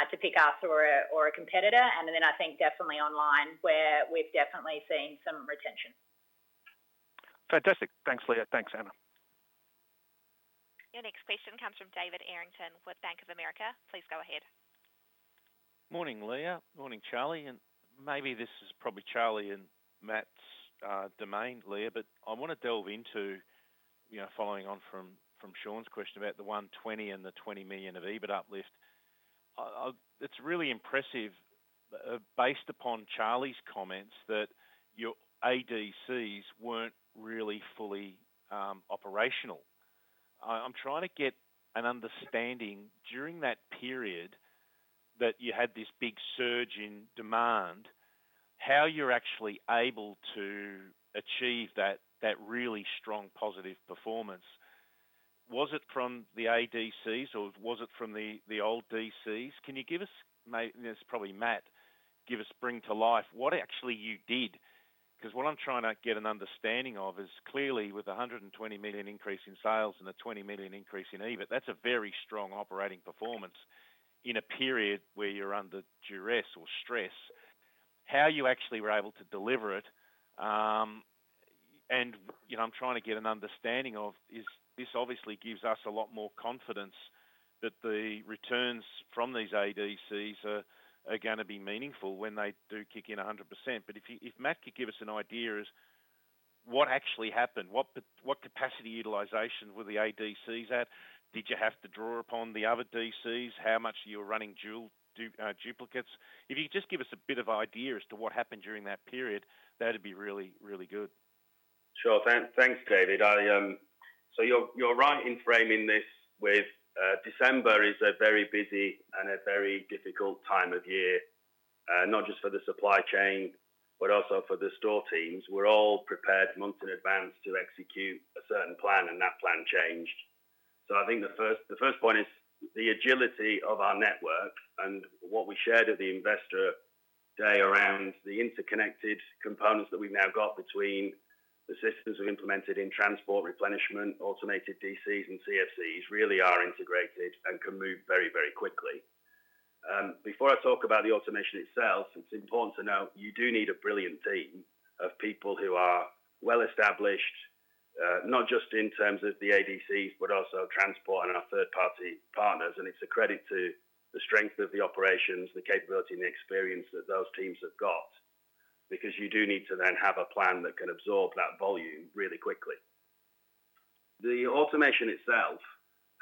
to pick us or a competitor. And then I think definitely online where we've definitely seen some retention. Fantastic. Thanks, Leah. Thanks, Anna. Your next question comes from David Errington with Bank of America. Please go ahead. Morning, Leah. Morning, Charlie. Maybe this is probably Charlie and Matt's domain, Leah, but I want to delve into following on from Shaun's question about the 120 million and the 20 million of EBIT uplift. It's really impressive, based upon Charlie's comments, that your ADCs weren't really fully operational. I'm trying to get an understanding during that period that you had this big surge in demand, how you're actually able to achieve that really strong positive performance. Was it from the ADCs, or was it from the old DCs? Can you give us, and it's probably Matt, give us bring to life what actually you did? Because what I'm trying to get an understanding of is clearly with a 120 million increase in sales and a 20 million increase in EBIT, that's a very strong operating performance in a period where you're under duress or stress. How you actually were able to deliver it, and I'm trying to get an understanding of, is this obviously gives us a lot more confidence that the returns from these ADCs are going to be meaningful when they do kick in 100%. But if Matt could give us an idea as to what actually happened, what capacity utilization were the ADCs at? Did you have to draw upon the other DCs? How much are you running dual duplicates? If you could just give us a bit of idea as to what happened during that period, that'd be really, really good. Sure. Thanks, David. So you're right in framing this with December is a very busy and a very difficult time of year, not just for the supply chain, but also for the store teams. We're all prepared months in advance to execute a certain plan, and that plan changed. I think the first point is the agility of our network and what we shared with the Investor Day around the interconnected components that we've now got between the systems we've implemented in transport, replenishment, automated DCs, and CFCs really are integrated and can move very, very quickly. Before I talk about the automation itself, it's important to note you do need a brilliant team of people who are well-established, not just in terms of the ADCs, but also transport and our third-party partners. It's a credit to the strength of the operations, the capability, and the experience that those teams have got, because you do need to then have a plan that can absorb that volume really quickly. The automation itself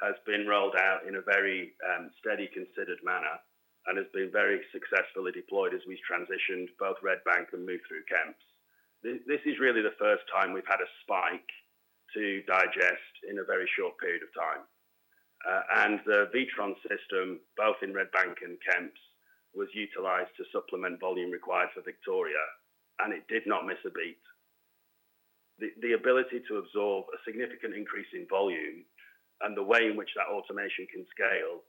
has been rolled out in a very steady, considered manner and has been very successfully deployed as we've transitioned both Redbank and move-through Kemps Creek. This is really the first time we've had a spike to digest in a very short period of time. And the Witron system, both in Redbank and Kemps Creek, was utilized to supplement volume required for Victoria, and it did not miss a beat. The ability to absorb a significant increase in volume and the way in which that automation can scale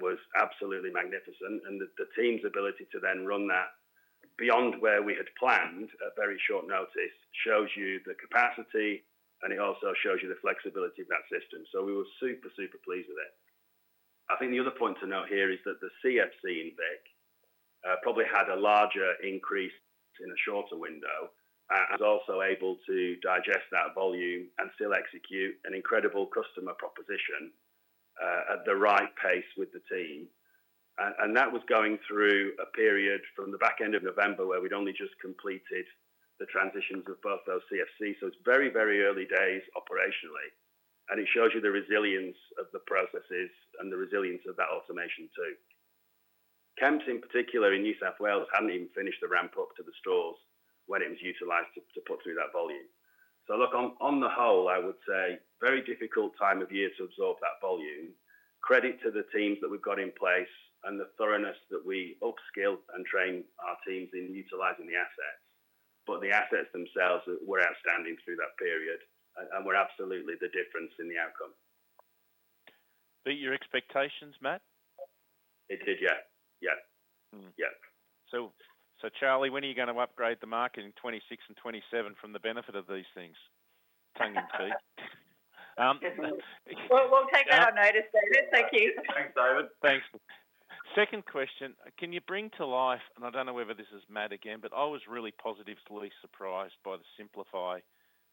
was absolutely magnificent. And the team's ability to then run that beyond where we had planned at very short notice shows you the capacity, and it also shows you the flexibility of that system. So we were super, super pleased with it. I think the other point to note here is that the CFC in Vic probably had a larger increase in a shorter window and was also able to digest that volume and still execute an incredible customer proposition at the right pace with the team. And that was going through a period from the back end of November where we'd only just completed the transitions of both those CFCs. So it's very, very early days operationally. And it shows you the resilience of the processes and the resilience of that automation too. Kemps, in particular, in New South Wales hadn't even finished the ramp up to the stores when it was utilized to put through that volume. So look, on the whole, I would say very difficult time of year to absorb that volume. Credit to the teams that we've got in place and the thoroughness that we upskilled and trained our teams in utilizing the assets. But the assets themselves were outstanding through that period, and we're absolutely the difference in the outcome. Beat your expectations, Matt? It did, yeah. Yeah. Yeah. So Charlie, when are you going to upgrade the market in 2026 and 2027 from the benefit of these things? Tongue in cheek. We'll take that on notice, David. Thank you. Thanks, David. Thanks. Second question. Can you bring to life - and I don't know whether this is Matt again - but I was really positively surprised by the Simplify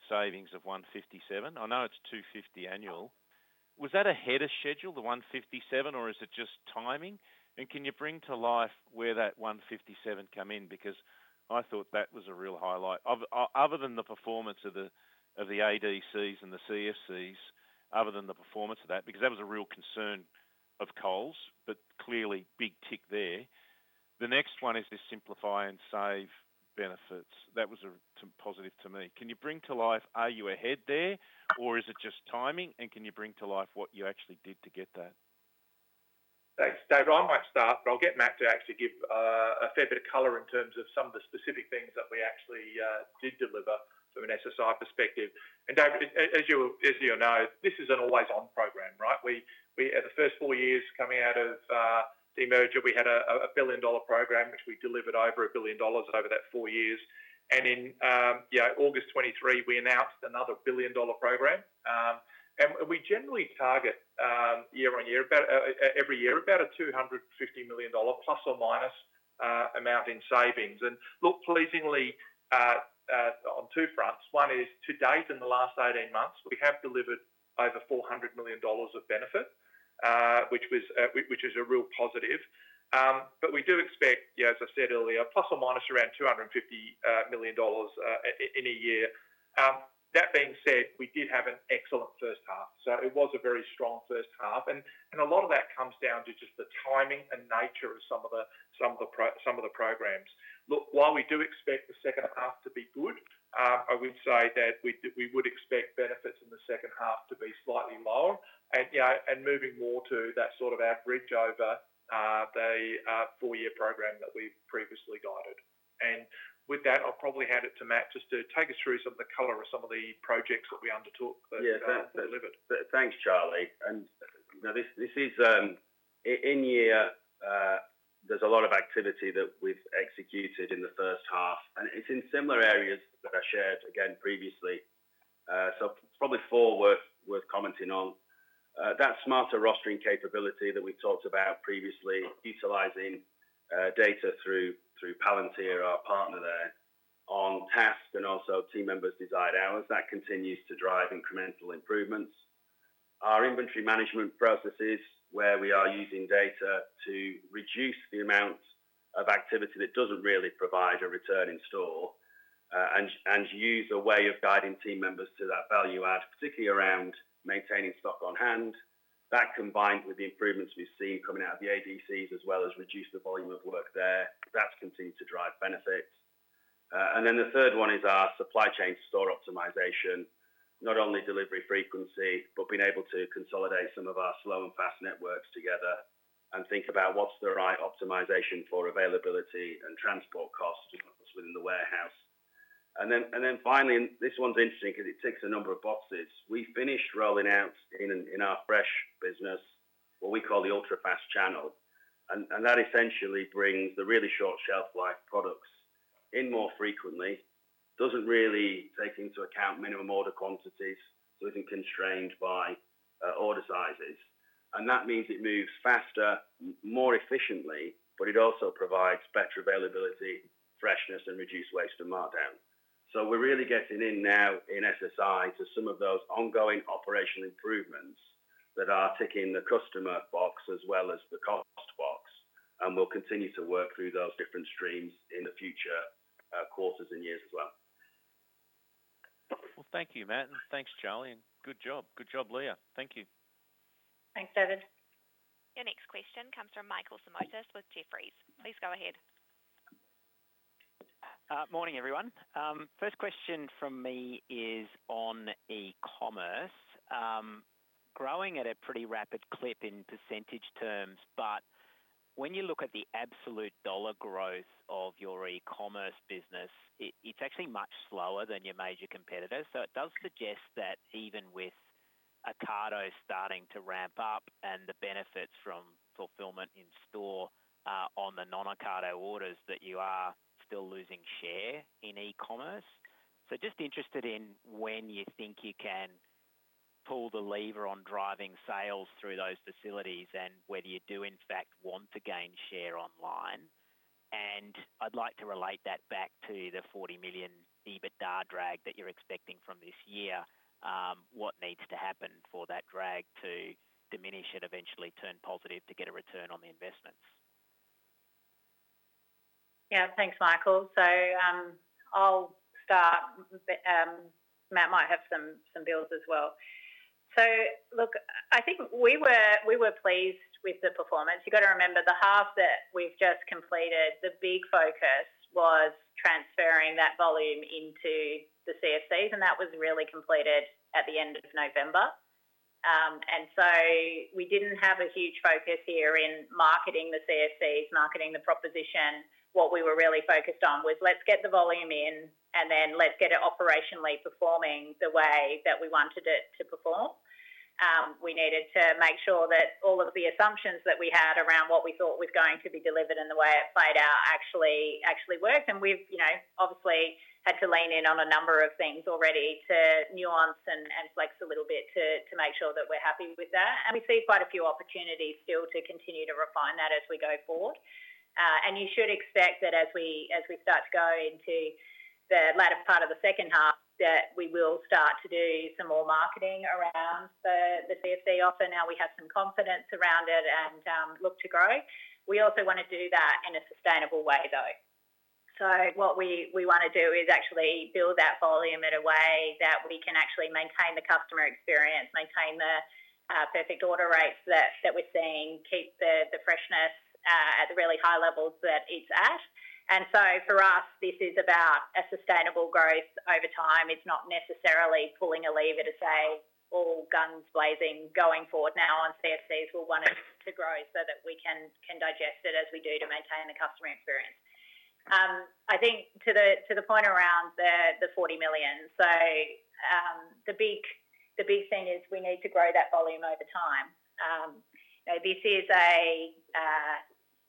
savings of 157. I know it's 250 annual. Was that ahead of schedule, the 157, or is it just timing? And can you bring to life where that 157 came in? Because I thought that was a real highlight. Other than the performance of the ADCs and the CFCs, other than the performance of that, because that was a real concern of Coles, but clearly big tick there. The next one is the Simplify and Save benefits. That was positive to me. Can you bring to life? Are you ahead there, or is it just timing? And can you bring to life what you actually did to get that? Thanks. David, I might start, but I'll get Matt to actually give a fair bit of color in terms of some of the specific things that we actually did deliver from an SSI perspective. And David, as you know, this is an always-on program, right? At the first four years coming out of the merger, we had a billion-dollar program, which we delivered over 1 billion dollars over that four years. And in August 2023, we announced another billion-dollar program. And we generally target year on year, every year, about a 250 million dollar plus or minus amount in savings. And look, pleasingly, on two fronts. One is to date in the last 18 months, we have delivered over 400 million dollars of benefit, which is a real positive. But we do expect, as I said earlier, plus or minus around 250 million dollars in a year. That being said, we did have an excellent first half. So it was a very strong first half. And a lot of that comes down to just the timing and nature of some of the programs. Look, while we do expect the second half to be good, I would say that we would expect benefits in the second half to be slightly lower and moving more to that sort of average over the four-year program that we've previously guided. And with that, I'll probably hand it to Matt just to take us through some of the color of some of the projects that we undertook that delivered. Yeah. Thanks, Charlie. And this is in year, there's a lot of activity that we've executed in the first half. And it's in similar areas that I shared again previously. So, probably four worth commenting on. That smarter rostering capability that we talked about previously, utilizing data through Palantir, our partner there, on tasks and also team members' desired hours, that continues to drive incremental improvements. Our inventory management processes, where we are using data to reduce the amount of activity that doesn't really provide a return in store and use a way of guiding team members to that value add, particularly around maintaining stock on hand, that combined with the improvements we've seen coming out of the ADCs as well as reduce the volume of work there, that's continued to drive benefits. And then the third one is our supply chain store optimization, not only delivery frequency, but being able to consolidate some of our slow and fast networks together and think about what's the right optimization for availability and transport costs within the warehouse. And then finally, and this one's interesting because it ticks a number of boxes. We finished rolling out in our fresh business what we call the ultra-fast channel. And that essentially brings the really short shelf life products in more frequently, doesn't really take into account minimum order quantities, so it isn't constrained by order sizes. And that means it moves faster, more efficiently, but it also provides better availability, freshness, and reduced waste and markdown. So we're really getting in now in SSI to some of those ongoing operational improvements that are ticking the customer box as well as the cost box. We'll continue to work through those different streams in the future quarters and years as well. Thank you, Matt. Thanks, Charlie. Good job. Good job, Leah. Thank you. Thanks, David. Your next question comes from Michael Simotas with Jefferies. Please go ahead. Morning, everyone. First question from me is on e-commerce. Growing at a pretty rapid clip in percentage terms, but when you look at the absolute dollar growth of your e-commerce business, it's actually much slower than your major competitors. It does suggest that even with Ocado starting to ramp up and the benefits from fulfillment in store on the non-Ocado orders, that you are still losing share in e-commerce. Just interested in when you think you can pull the lever on driving sales through those facilities and whether you do, in fact, want to gain share online. I'd like to relate that back to the 40 million EBITDA drag that you're expecting from this year. What needs to happen for that drag to diminish and eventually turn positive to get a return on the investments. Yeah. Thanks, Michael. I'll start. Matt might have some bits as well. Look, I think we were pleased with the performance. You've got to remember the half that we've just completed. The big focus was transferring that volume into the CFCs, and that was really completed at the end of November. We didn't have a huge focus here in marketing the CFCs, marketing the proposition. What we were really focused on was, let's get the volume in, and then let's get it operationally performing the way that we wanted it to perform. We needed to make sure that all of the assumptions that we had around what we thought was going to be delivered and the way it played out actually worked. And we've obviously had to lean in on a number of things already to nuance and flex a little bit to make sure that we're happy with that. And we see quite a few opportunities still to continue to refine that as we go forward. And you should expect that as we start to go into the latter part of the second half, that we will start to do some more marketing around the CFC offer. Now we have some confidence around it and look to grow. We also want to do that in a sustainable way, though. So what we want to do is actually build that volume in a way that we can actually maintain the customer experience, maintain the perfect order rates that we're seeing, keep the freshness at the really high levels that it's at. And so for us, this is about a sustainable growth over time. It's not necessarily pulling a lever to say all guns blazing going forward now on CFCs. We will want to grow so that we can digest it as we do to maintain the customer experience. I think to the point around the 40 million, so the big thing is we need to grow that volume over time. This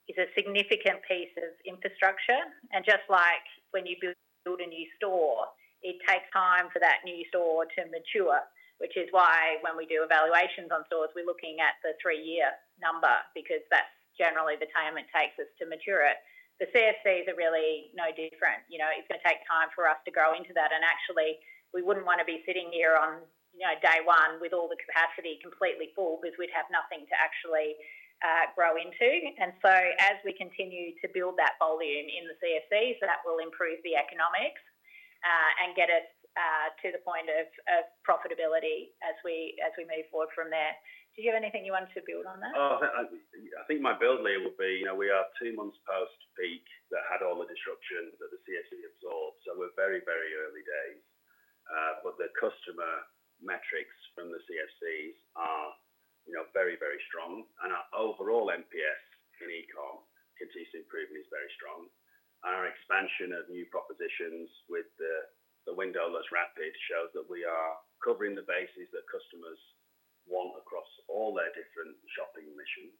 is a significant piece of infrastructure. And just like when you build a new store, it takes time for that new store to mature, which is why when we do evaluations on stores, we're looking at the three-year number because that's generally the time it takes us to mature it. The CFCs are really no different. It's going to take time for us to grow into that. And actually, we wouldn't want to be sitting here on day one with all the capacity completely full because we'd have nothing to actually grow into. And so as we continue to build that volume in the CFCs, that will improve the economics and get us to the point of profitability as we move forward from there. Did you have anything you wanted to build on that? Oh, I think my build layer would be we are two months post-peak that had all the disruption that the CFC absorbed. So we're very, very early days. But the customer metrics from the CFCs are very, very strong. And our overall NPS in e-com continues to improve and is very strong. Our expansion of new propositions with the window that's wrapped shows that we are covering the bases that customers want across all their different shopping missions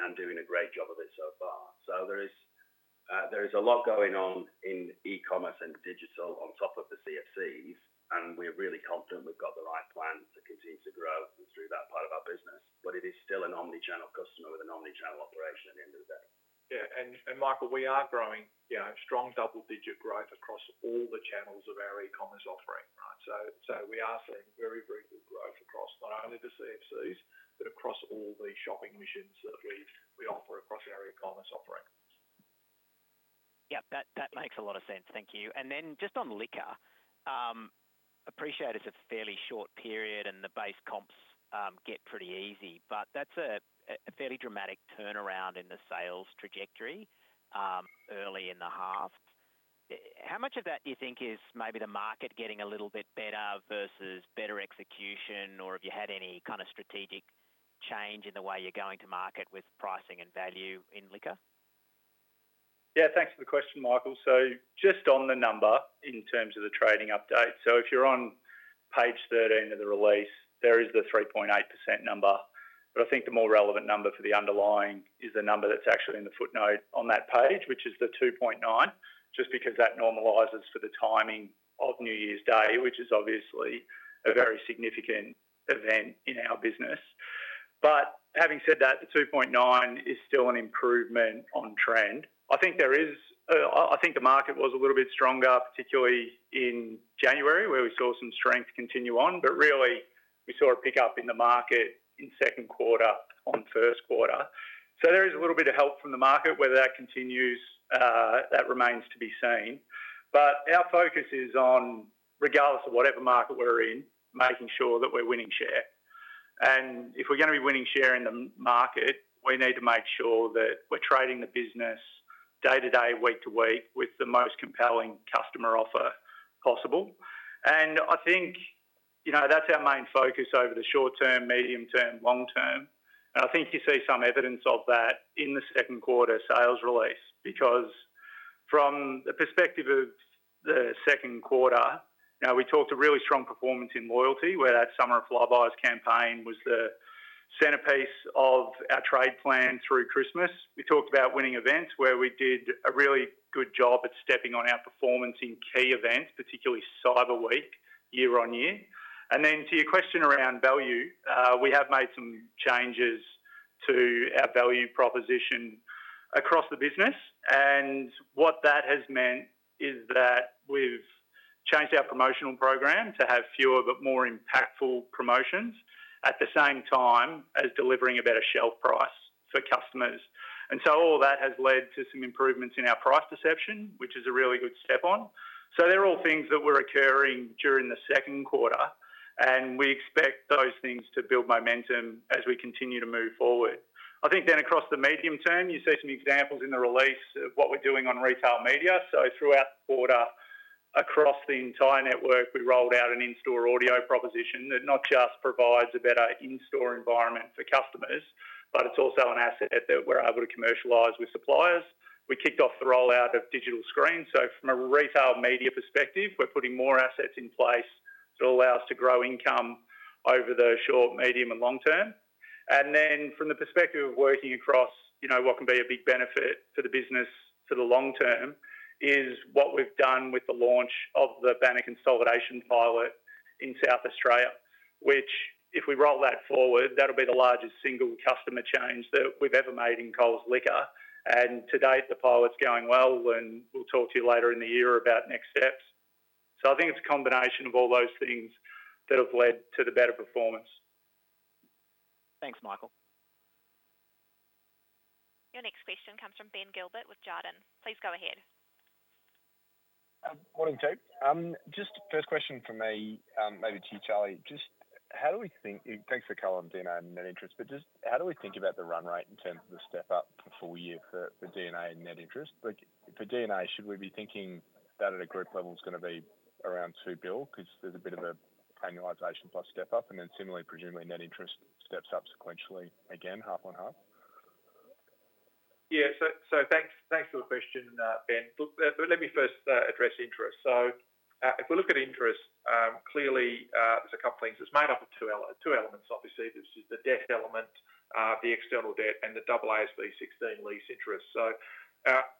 and doing a great job of it so far. So there is a lot going on in e-commerce and digital on top of the CFCs, and we're really confident we've got the right plan to continue to grow through that part of our business. But it is still an omnichannel customer with an omnichannel operation at the end of the day. Yeah. And Michael, we are growing strong double-digit growth across all the channels of our e-commerce offering, right? So we are seeing very, very good growth across not only the CFCs, but across all the shopping missions that we offer across our e-commerce offering. Yep. That makes a lot of sense. Thank you. And then just on Liquor, appreciated it's a fairly short period and the base comps get pretty easy, but that's a fairly dramatic turnaround in the sales trajectory early in the half. How much of that do you think is maybe the market getting a little bit better versus better execution, or have you had any kind of strategic change in the way you're going to market with pricing and value in Liquor? Yeah. Thanks for the question, Michael. So just on the number in terms of the trading update, so if you're on page 13 of the release, there is the 3.8% number. But I think the more relevant number for the underlying is the number that's actually in the footnote on that page, which is the 2.9%, just because that normalizes for the timing of New Year's Day, which is obviously a very significant event in our business. But having said that, the 2.9% is still an improvement on trend. I think the market was a little bit stronger, particularly in January, where we saw some strength continue on, but really we saw a pickup in the market in second quarter on first quarter. So there is a little bit of help from the market. Whether that continues, that remains to be seen. But our focus is on, regardless of whatever market we're in, making sure that we're winning share. If we're going to be winning share in the market, we need to make sure that we're trading the business day to day, week to week with the most compelling customer offer possible. I think that's our main focus over the short term, medium term, long term. I think you see some evidence of that in the second quarter sales release because from the perspective of the second quarter, we talked about really strong performance in loyalty, where that Summer of Flybuys campaign was the centerpiece of our trade plan through Christmas. We talked about winning events where we did a really good job at stepping up our performance in key events, particularly Cyber Week year on year. Then to your question around value, we have made some changes to our value proposition across the business. And what that has meant is that we've changed our promotional program to have fewer but more impactful promotions at the same time as delivering a better shelf price for customers. And so all that has led to some improvements in our price perception, which is a really good step on. So they're all things that were occurring during the second quarter, and we expect those things to build momentum as we continue to move forward. I think then across the medium term, you see some examples in the release of what we're doing on retail media. So throughout the quarter, across the entire network, we rolled out an in-store audio proposition that not just provides a better in-store environment for customers, but it's also an asset that we're able to commercialize with suppliers. We kicked off the rollout of digital screens. So from a retail media perspective, we're putting more assets in place that will allow us to grow income over the short, medium, and long term. And then from the perspective of working across what can be a big benefit for the business for the long term is what we've done with the launch of the Banner Consolidation pilot in South Australia, which if we roll that forward, that'll be the largest single customer change that we've ever made in Coles Liquor. And to date, the pilot's going well, and we'll talk to you later in the year about next steps. So I think it's a combination of all those things that have led to the better performance. Thanks, Michael. Your next question comes from Ben Gilbert with Jarden. Please go ahead. Morning, team. Just first question for me, maybe to you, Charlie, just how do we think—thanks for calling out D&A and Net interest—but just how do we think about the run rate in terms of the step-up for full year for D&A and Net interest? For D&A, should we be thinking that at a group level is going to be around two billion because there's a bit of a annualization plus step-up? And then similarly, presumably Net interest steps up sequentially again, half on half? Yeah. So thanks for the question, Ben. But let me first address interest. So if we look at interest, clearly there's a couple of things. It's made up of two elements, obviously, which is the debt element, the external debt, and the AASB 16 lease interest.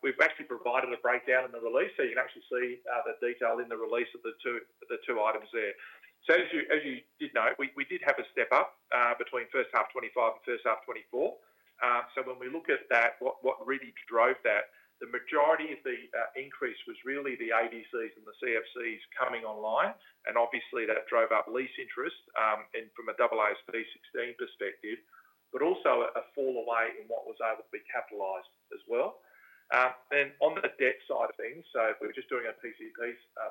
We've actually provided a breakdown in the release, so you can actually see the detail in the release of the two items there. As you did know, we did have a step-up between first half 2025 and first half 2024. When we look at that, what really drove that, the majority of the increase was really the ADCs and the CFCs coming online. Obviously, that drove up lease interest from an AASB 16 perspective, but also a fall away in what was able to be capitalized as well. Then on the debt side of things, if we're just doing a PCP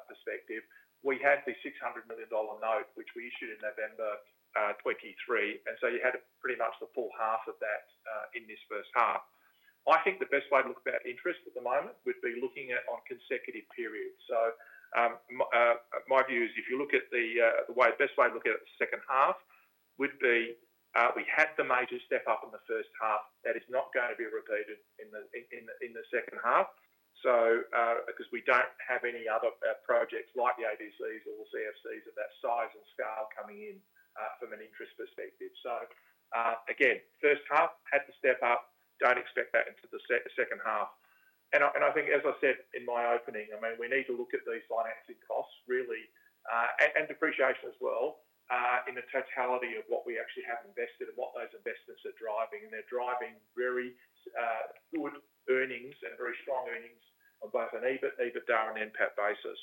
perspective, we had the 600 million dollar note, which we issued in November 2023. You had pretty much the full half of that in this first half. I think the best way to look at interest at the moment would be looking at on consecutive periods. So my view is if you look at the best way to look at it, the second half would be we had the major step-up in the first half that is not going to be repeated in the second half because we don't have any other projects like the ADCs or CFCs of that size and scale coming in from an interest perspective. So again, first half had the step-up, don't expect that into the second half. I think, as I said in my opening, I mean, we need to look at these financing costs, really, and depreciation as well in the totality of what we actually have invested and what those investments are driving. They're driving very good earnings and very strong earnings on both an EBIT, EBITDA, and NPAT basis.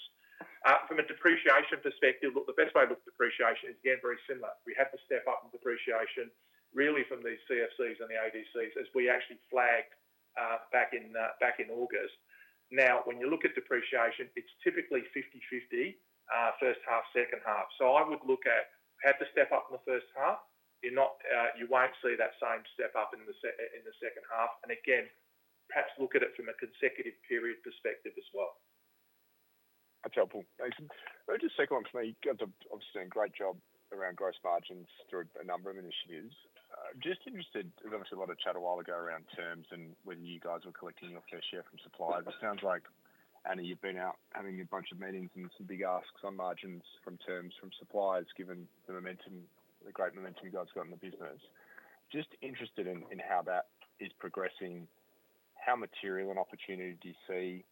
From a depreciation perspective, look, the best way to look at depreciation is, again, very similar. We had the step-up in depreciation really from these CFCs and the ADCs as we actually flagged back in August. Now, when you look at depreciation, it's typically 50/50, first half, second half. So I would look at, had the step-up in the first half, you won't see that same step-up in the second half. And again, perhaps look at it from a consecutive period perspective as well. That's helpful. Just second one for me. You guys have obviously done a great job around gross margins through a number of initiatives. Just interested, there was obviously a lot of chatter a while ago around terms and when you guys were collecting your fair share from suppliers. It sounds like, Anna, you've been out having a bunch of meetings and some big asks on margins from terms from suppliers given the great momentum you guys got in the business. Just interested in how that is progressing, how material an opportunity do you see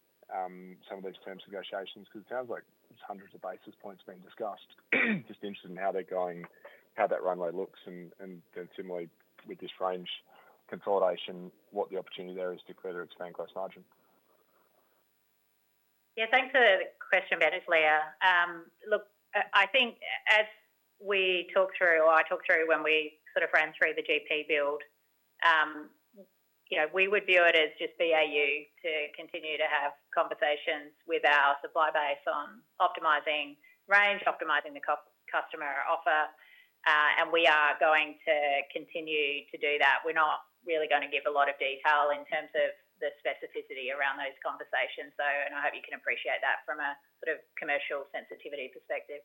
some of those terms negotiations? Because it sounds like hundreds of basis points being discussed. Just interested in how they're going, how that runway looks, and then similarly with this range consolidation, what the opportunity there is to further expand gross margin. Yeah. Thanks for the question, this is Leah. Look, I think as we talk through, or I talk through when we sort of ran through the GP build, we would view it as just BAU to continue to have conversations with our supply base on optimizing range, optimizing the customer offer, and we are going to continue to do that. We're not really going to give a lot of detail in terms of the specificity around those conversations, and I hope you can appreciate that from a sort of commercial sensitivity perspective.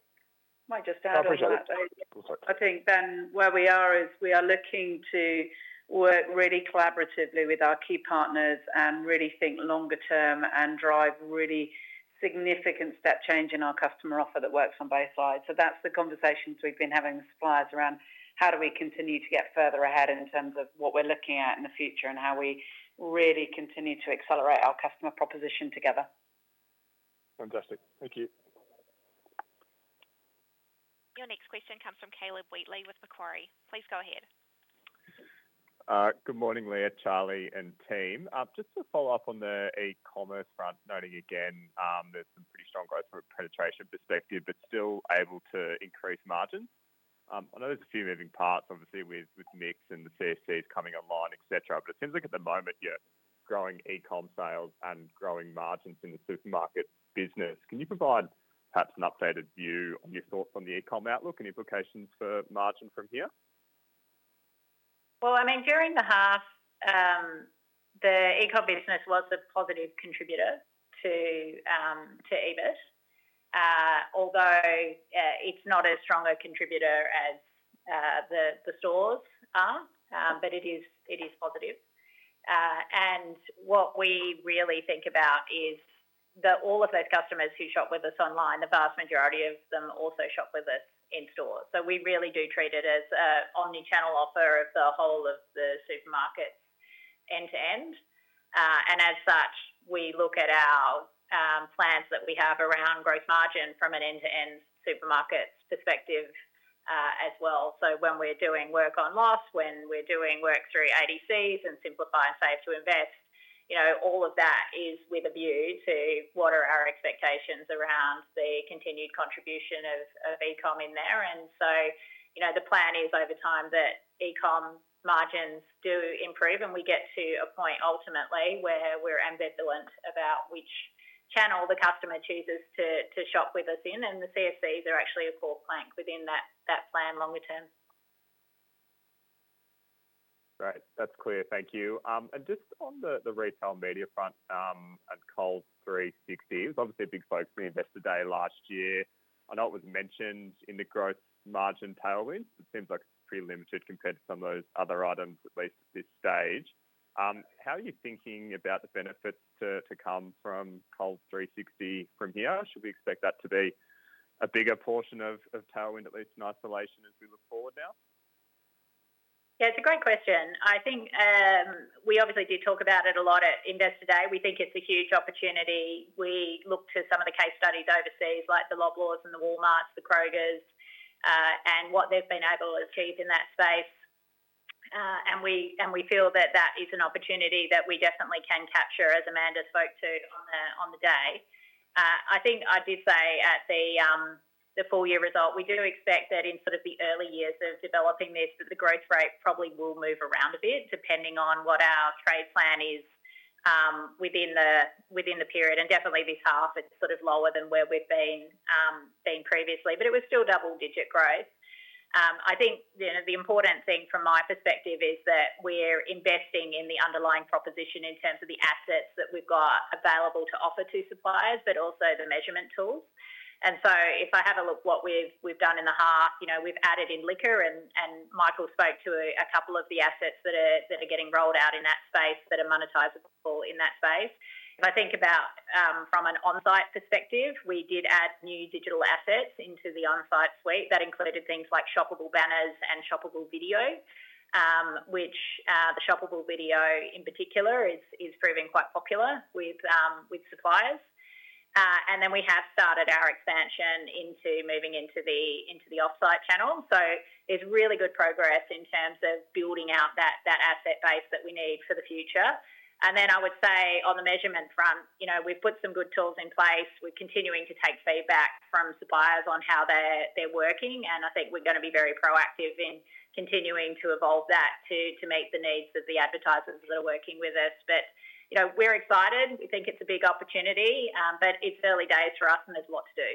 I might just add on that. I think, Ben, where we are is we are looking to work really collaboratively with our key partners and really think longer term and drive really significant step change in our customer offer that works on both sides. So that's the conversations we've been having with suppliers around how do we continue to get further ahead in terms of what we're looking at in the future and how we really continue to accelerate our customer proposition together. Fantastic. Thank you. Your next question comes from Caleb Wheatley with Macquarie. Please go ahead. Good morning, Leah, Charlie, and team. Just to follow up on the e-commerce front, noting again there's some pretty strong growth from a penetration perspective, but still able to increase margins. I know there's a few moving parts, obviously, with ADCs and the CFCs coming online, etc., but it seems like at the moment, yeah, growing e-com sales and growing margins in the supermarket business. Can you provide perhaps an updated view on your thoughts on the e-com outlook and implications for margin from here? Well, I mean, during the half, the e-com business was a positive contributor to EBIT, although it's not as strong a contributor as the stores are, but it is positive. And what we really think about is that all of those customers who shop with us online, the vast majority of them also shop with us in store. So we really do treat it as an omnichannel offer of the whole of the supermarket end to end. And as such, we look at our plans that we have around gross margin from an end-to-end supermarket perspective as well. So when we're doing work on loss, when we're doing work through ADCs and Simplify and Save to Invest, all of that is with a view to what are our expectations around the continued contribution of e-com in there. And so the plan is over time that e-com margins do improve and we get to a point ultimately where we're ambivalent about which channel the customer chooses to shop with us in. And the CFCs are actually a core plank within that plan longer term. Great. That's clear. Thank you. And just on the retail media front and Coles 360, obviously big focus on Investor Day last year. I know it was mentioned in the gross margin tailwind. It seems like it's pretty limited compared to some of those other items, at least at this stage. How are you thinking about the benefits to come from Coles 360 from here? Should we expect that to be a bigger portion of tailwind, at least in isolation, as we look forward now? Yeah, it's a great question. I think we obviously did talk about it a lot at Investor Day. We think it's a huge opportunity. We looked to some of the case studies overseas, like the Loblaws and the Walmarts, the Krogers, and what they've been able to achieve in that space. And we feel that that is an opportunity that we definitely can capture, as Amanda spoke to on the day. I think I did say at the full year result, we do expect that in sort of the early years of developing this, that the growth rate probably will move around a bit depending on what our trade plan is within the period. And definitely this half, it's sort of lower than where we've been previously, but it was still double-digit growth. I think the important thing from my perspective is that we're investing in the underlying proposition in terms of the assets that we've got available to offer to suppliers, but also the measurement tools. And so if I have a look at what we've done in the half, we've added in Liquor, and Michael spoke to a couple of the assets that are getting rolled out in that space that are monetizable in that space. If I think about from an onsite perspective, we did add new digital assets into the onsite suite. That included things like shoppable banners and shoppable video, which the shoppable video in particular is proving quite popular with suppliers. And then we have started our expansion into moving into the offsite channel. So there's really good progress in terms of building out that asset base that we need for the future. And then I would say on the measurement front, we've put some good tools in place. We're continuing to take feedback from suppliers on how they're working. And I think we're going to be very proactive in continuing to evolve that to meet the needs of the advertisers that are working with us. But we're excited. We think it's a big opportunity, but it's early days for us, and there's a lot to do.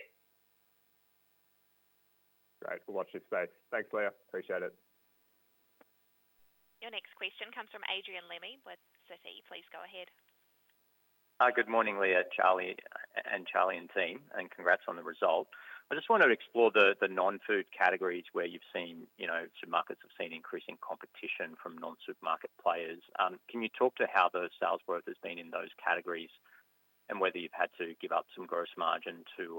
Great. We'll watch this space. Thanks, Leah. Appreciate it. Your next question comes from Adrian Lemme with Citi. Please go ahead. Good morning, Leah, Charlie, and team, and congrats on the result. I just wanted to explore the non-food categories where you've seen Supermarkets have seen increasing competition from non-food market players. Can you talk to how the sales growth has been in those categories and whether you've had to give up some gross margin to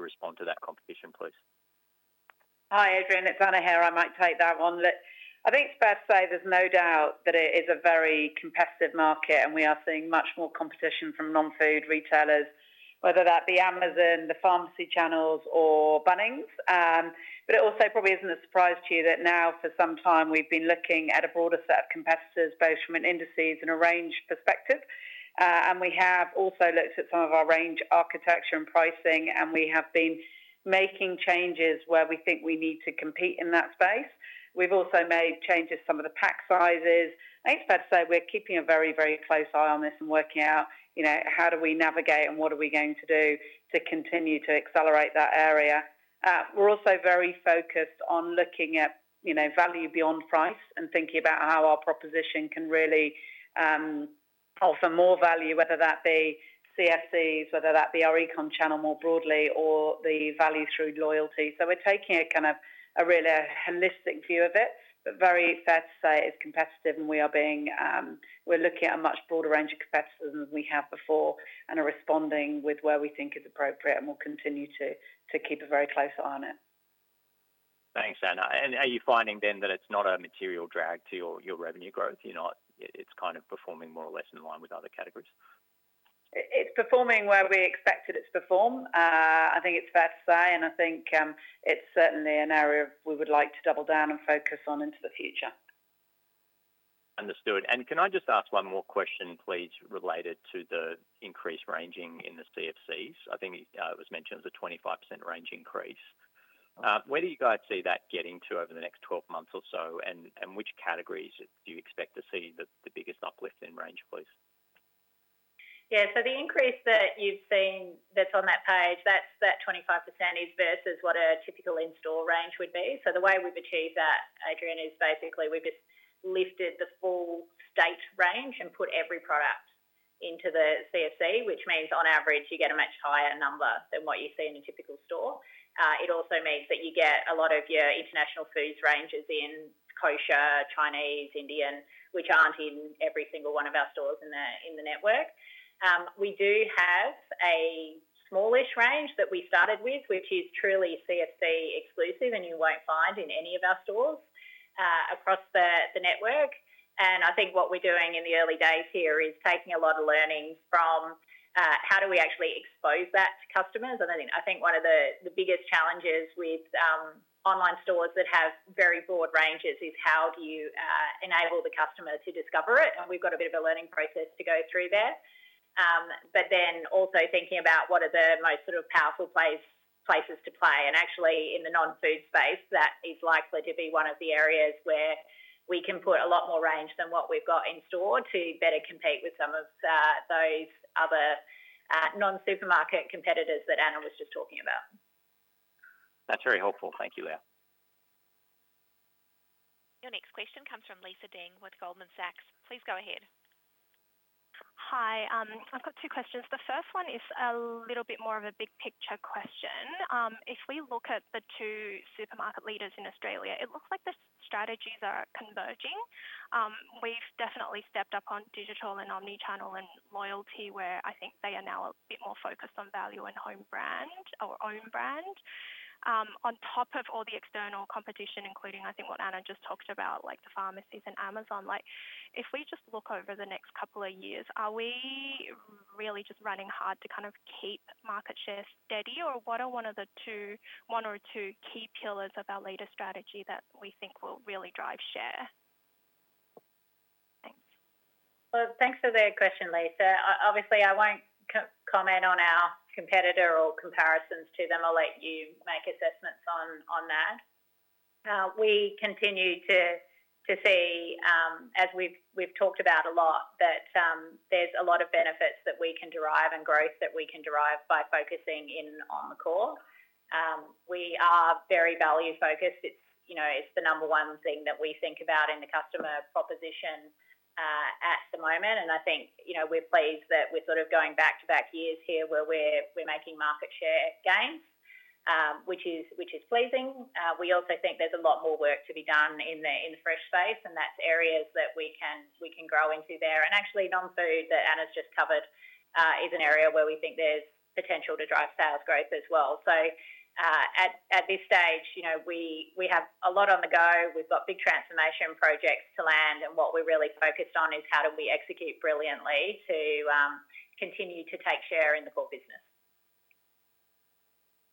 respond to that competition, please? Hi, Adrian. It's Anna here. I might take that one. I think it's fair to say there's no doubt that it is a very competitive market, and we are seeing much more competition from non-food retailers, whether that be Amazon, the pharmacy channels, or Bunnings. But it also probably isn't a surprise to you that now for some time we've been looking at a broader set of competitors, both from an indices and a range perspective. And we have also looked at some of our range architecture and pricing, and we have been making changes where we think we need to compete in that space. We've also made changes to some of the pack sizes. I think it's fair to say we're keeping a very, very close eye on this and working out how do we navigate and what are we going to do to continue to accelerate that area. We're also very focused on looking at value beyond price and thinking about how our proposition can really offer more value, whether that be CFCs, whether that be our e-com channel more broadly, or the value through loyalty. We're taking a kind of a really holistic view of it, but very fair to say it's competitive, and we are looking at a much broader range of competitors than we have before and are responding with where we think is appropriate, and we'll continue to keep a very close eye on it. Thanks, Anna. And are you finding then that it's not a material drag to your revenue growth? It's kind of performing more or less in line with other categories? It's performing where we expected it to perform. I think it's fair to say, and I think it's certainly an area we would like to double down and focus on into the future. Understood. And can I just ask one more question, please, related to the increased ranging in the CFCs? I think it was mentioned as a 25% range increase. Where do you guys see that getting to over the next 12 months or so, and which categories do you expect to see the biggest uplift in range, please? Yeah, so the increase that you've seen, that's on that page, that's that 25% versus what a typical in-store range would be. The way we've achieved that, Adrian, is basically we've just lifted the full state range and put every product into the CFC, which means on average you get a much higher number than what you see in a typical store. It also means that you get a lot of your international foods ranges in kosher, Chinese, Indian, which aren't in every single one of our stores in the network. We do have a smallish range that we started with, which is truly CFC exclusive and you won't find in any of our stores across the network. I think what we're doing in the early days here is taking a lot of learning from how do we actually expose that to customers. I think one of the biggest challenges with online stores that have very broad ranges is how do you enable the customer to discover it? We've got a bit of a learning process to go through there, but then also thinking about what are the most sort of powerful places to play. Actually in the non-food space, that is likely to be one of the areas where we can put a lot more range than what we've got in store to better compete with some of those other non-supermarket competitors that Anna was just talking about. That's very helpful. Thank you, Leah. Your next question comes from Lisa Deng with Goldman Sachs. Please go ahead. Hi. I've got two questions. The first one is a little bit more of a big picture question. If we look at the two supermarket leaders in Australia, it looks like the strategies are converging. We've definitely stepped up on digital and omnichannel and loyalty, where I think they are now a bit more focused on value and home brand or own brand. On top of all the external competition, including I think what Anna just talked about, like the pharmacies and Amazon, if we just look over the next couple of years, are we really just running hard to kind of keep market share steady, or what are one or two key pillars of our latest strategy that we think will really drive share? Thanks. Well, thanks for the question, Lisa. Obviously, I won't comment on our competitor or comparisons to them. I'll let you make assessments on that. We continue to see, as we've talked about a lot, that there's a lot of benefits that we can derive and growth that we can derive by focusing in on the core. We are very value-focused. It's the number one thing that we think about in the customer proposition at the moment. And I think we're pleased that we're sort of going back-to-back years here where we're making market share gains, which is pleasing. We also think there's a lot more work to be done in the fresh space, and that's areas that we can grow into there. And actually, non-food that Anna's just covered is an area where we think there's potential to drive sales growth as well. So at this stage, we have a lot on the go. We've got big transformation projects to land, and what we're really focused on is how do we execute brilliantly to continue to take share in the core business.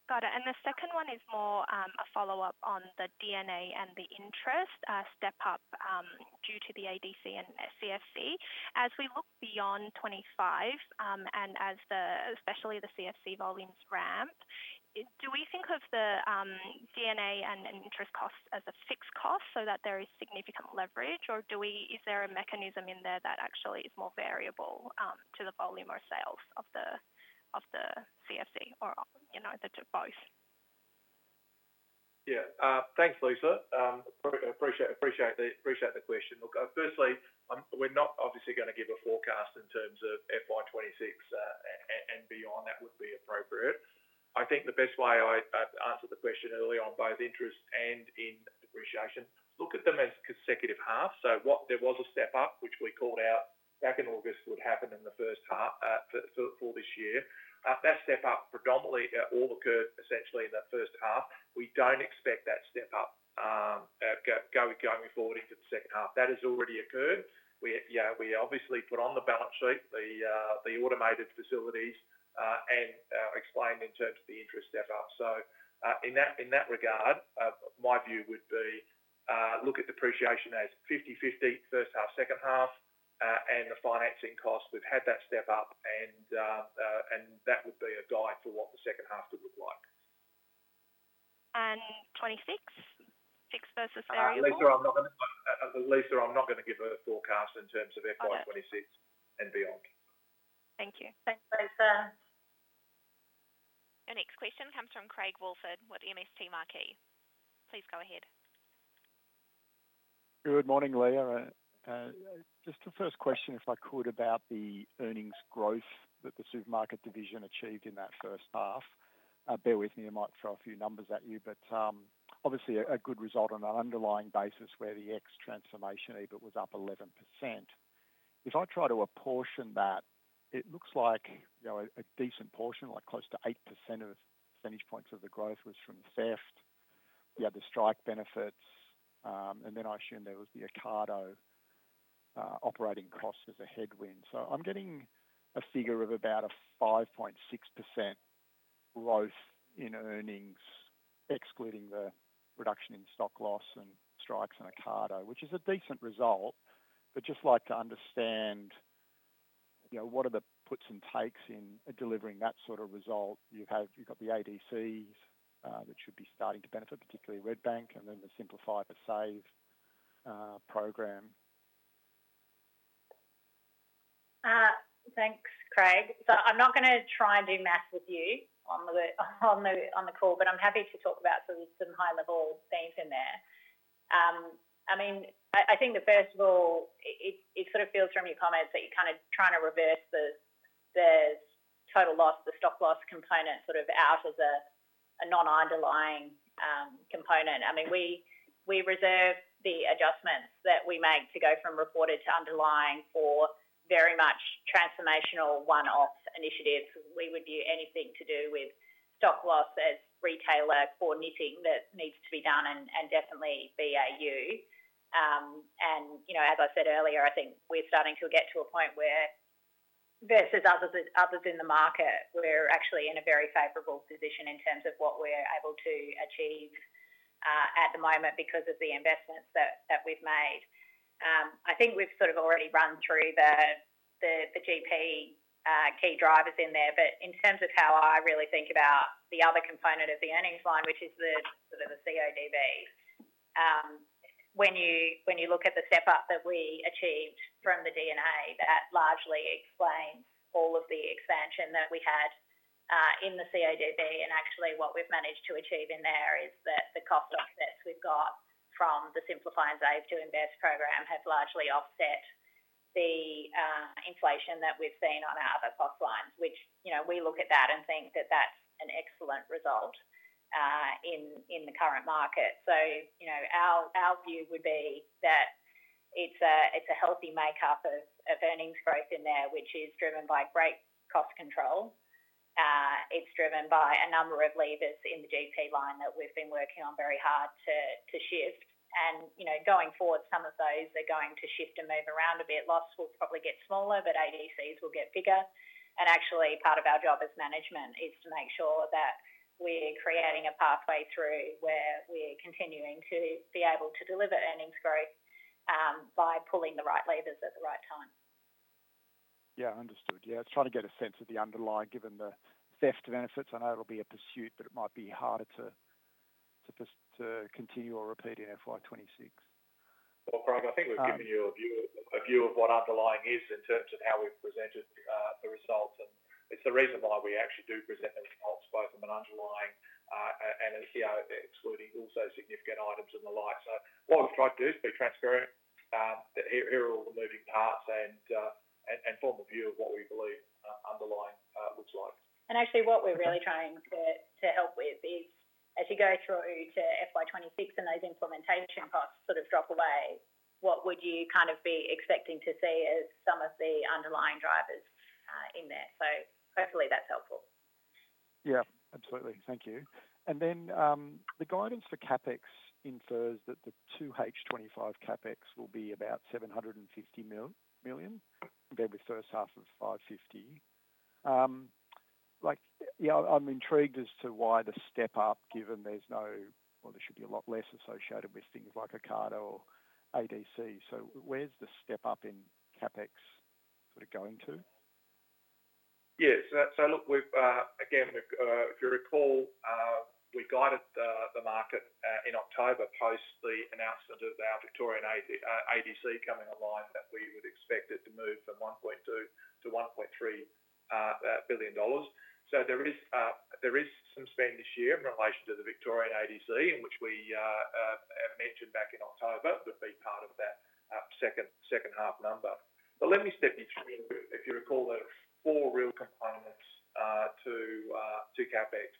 Got it. And the second one is more a follow-up on the D&A and the interest step-up due to the ADC and CFC. As we look beyond 2025 and especially the CFC volumes ramp, do we think of the D&A and interest costs as a fixed cost so that there is significant leverage, or is there a mechanism in there that actually is more variable to the volume or sales of the CFC or both? Yeah. Thanks, Lisa. Appreciate the question. Look, firstly, we're not obviously going to give a forecast in terms of FY 2026 and beyond. That would be appropriate. I think the best way I answered the question earlier on both interest and in depreciation, look at them as consecutive halves. So there was a step-up, which we called out back in August would happen in the first half for this year. That step-up predominantly all occurred essentially in the first half. We don't expect that step-up going forward into the second half. That has already occurred. We obviously put on the balance sheet, the automated facilities, and explained in terms of the interest step-up. So in that regard, my view would be look at depreciation as 50/50, first half, second half, and the financing cost. We've had that step-up, and that would be a guide for what the second half could look like. And 2026? Fixed versus variable? Lisa, I'm not going to give a forecast in terms of FY 2026 and beyond. Thank you. Thanks, Lisa. Your next question comes from Craig Woolford with MST Marquee. Please go ahead. Good morning, Leah. Just a first question, if I could, about the earnings growth that the supermarket division achieved in that first half. Bear with me. I might throw a few numbers at you, but obviously a good result on an underlying basis where the ex-transformation EBIT was up 11%. If I try to apportion that, it looks like a decent portion, like close to 8 percentage points of the growth was from theft, the strike benefits, and then I assume there was the Ocado operating cost as a headwind. So I'm getting a figure of about a 5.6% growth in earnings, excluding the reduction in stock loss and strikes and Ocado, which is a decent result. But just like to understand what are the puts and takes in delivering that sort of result. You've got the ADCs that should be starting to benefit, particularly Redbank, and then the Simplify to Save program. Thanks, Craig. I'm not going to try and do math with you on the call, but I'm happy to talk about some high-level things in there. I mean, I think that first of all, it sort of feels from your comments that you're kind of trying to reverse the total loss, the stock loss component sort of out as a non-underlying component. I mean, we reserve the adjustments that we make to go from reported to underlying for very much transformational one-off initiatives. We would view anything to do with stock loss as retailer core knitting that needs to be done and definitely BAU. And as I said earlier, I think we're starting to get to a point where versus others in the market, we're actually in a very favorable position in terms of what we're able to achieve at the moment because of the investments that we've made. I think we've sort of already run through the GP key drivers in there, but in terms of how I really think about the other component of the earnings line, which is sort of the CODB, when you look at the step-up that we achieved from the D&A, that largely explains all of the expansion that we had in the CODB. Actually, what we've managed to achieve in there is that the cost offsets we've got from the Simplify and Save to Invest program have largely offset the inflation that we've seen on our other cost lines, which we look at that and think that that's an excellent result in the current market. Our view would be that it's a healthy makeup of earnings growth in there, which is driven by great cost control. It's driven by a number of levers in the GP line that we've been working on very hard to shift. Going forward, some of those are going to shift and move around a bit. Loss will probably get smaller, but ADCs will get bigger. Actually, part of our job as management is to make sure that we're creating a pathway through where we're continuing to be able to deliver earnings growth by pulling the right levers at the right time. Yeah, understood. Yeah. It's trying to get a sense of the underlying given the theft benefits. I know it'll be a pursuit, but it might be harder to continue or repeat in FY 2026. Craig, I think we've given you a view of what underlying is in terms of how we've presented the results. It's the reason why we actually do present the results, both from an underlying and excluding also significant items and the like. What we've tried to do is be transparent. Here are all the moving parts and form a view of what we believe underlying looks like. And actually, what we're really trying to help with is as you go through to FY 2026 and those implementation costs sort of drop away, what would you kind of be expecting to see as some of the underlying drivers in there? So hopefully that's helpful. Yeah. Absolutely. Thank you. And then the guidance for CapEx infers that the 2H 2025 CapEx will be about 750 million compared with first half of 550 million. Yeah, I'm intrigued as to why the step-up, given there's no or there should be a lot less associated with things like Ocado or ADC. So where's the step-up in CapEx sort of going to? Yeah. So look, again, if you recall, we guided the market in October post the announcement of our Victorian ADC coming online that we would expect it to move from 1.2 billion to 1.3 billion dollars. So there is some spend this year in relation to the Victorian ADC, which we mentioned back in October would be part of that second half number. But let me step you through. If you recall, there are four real components to CapEx.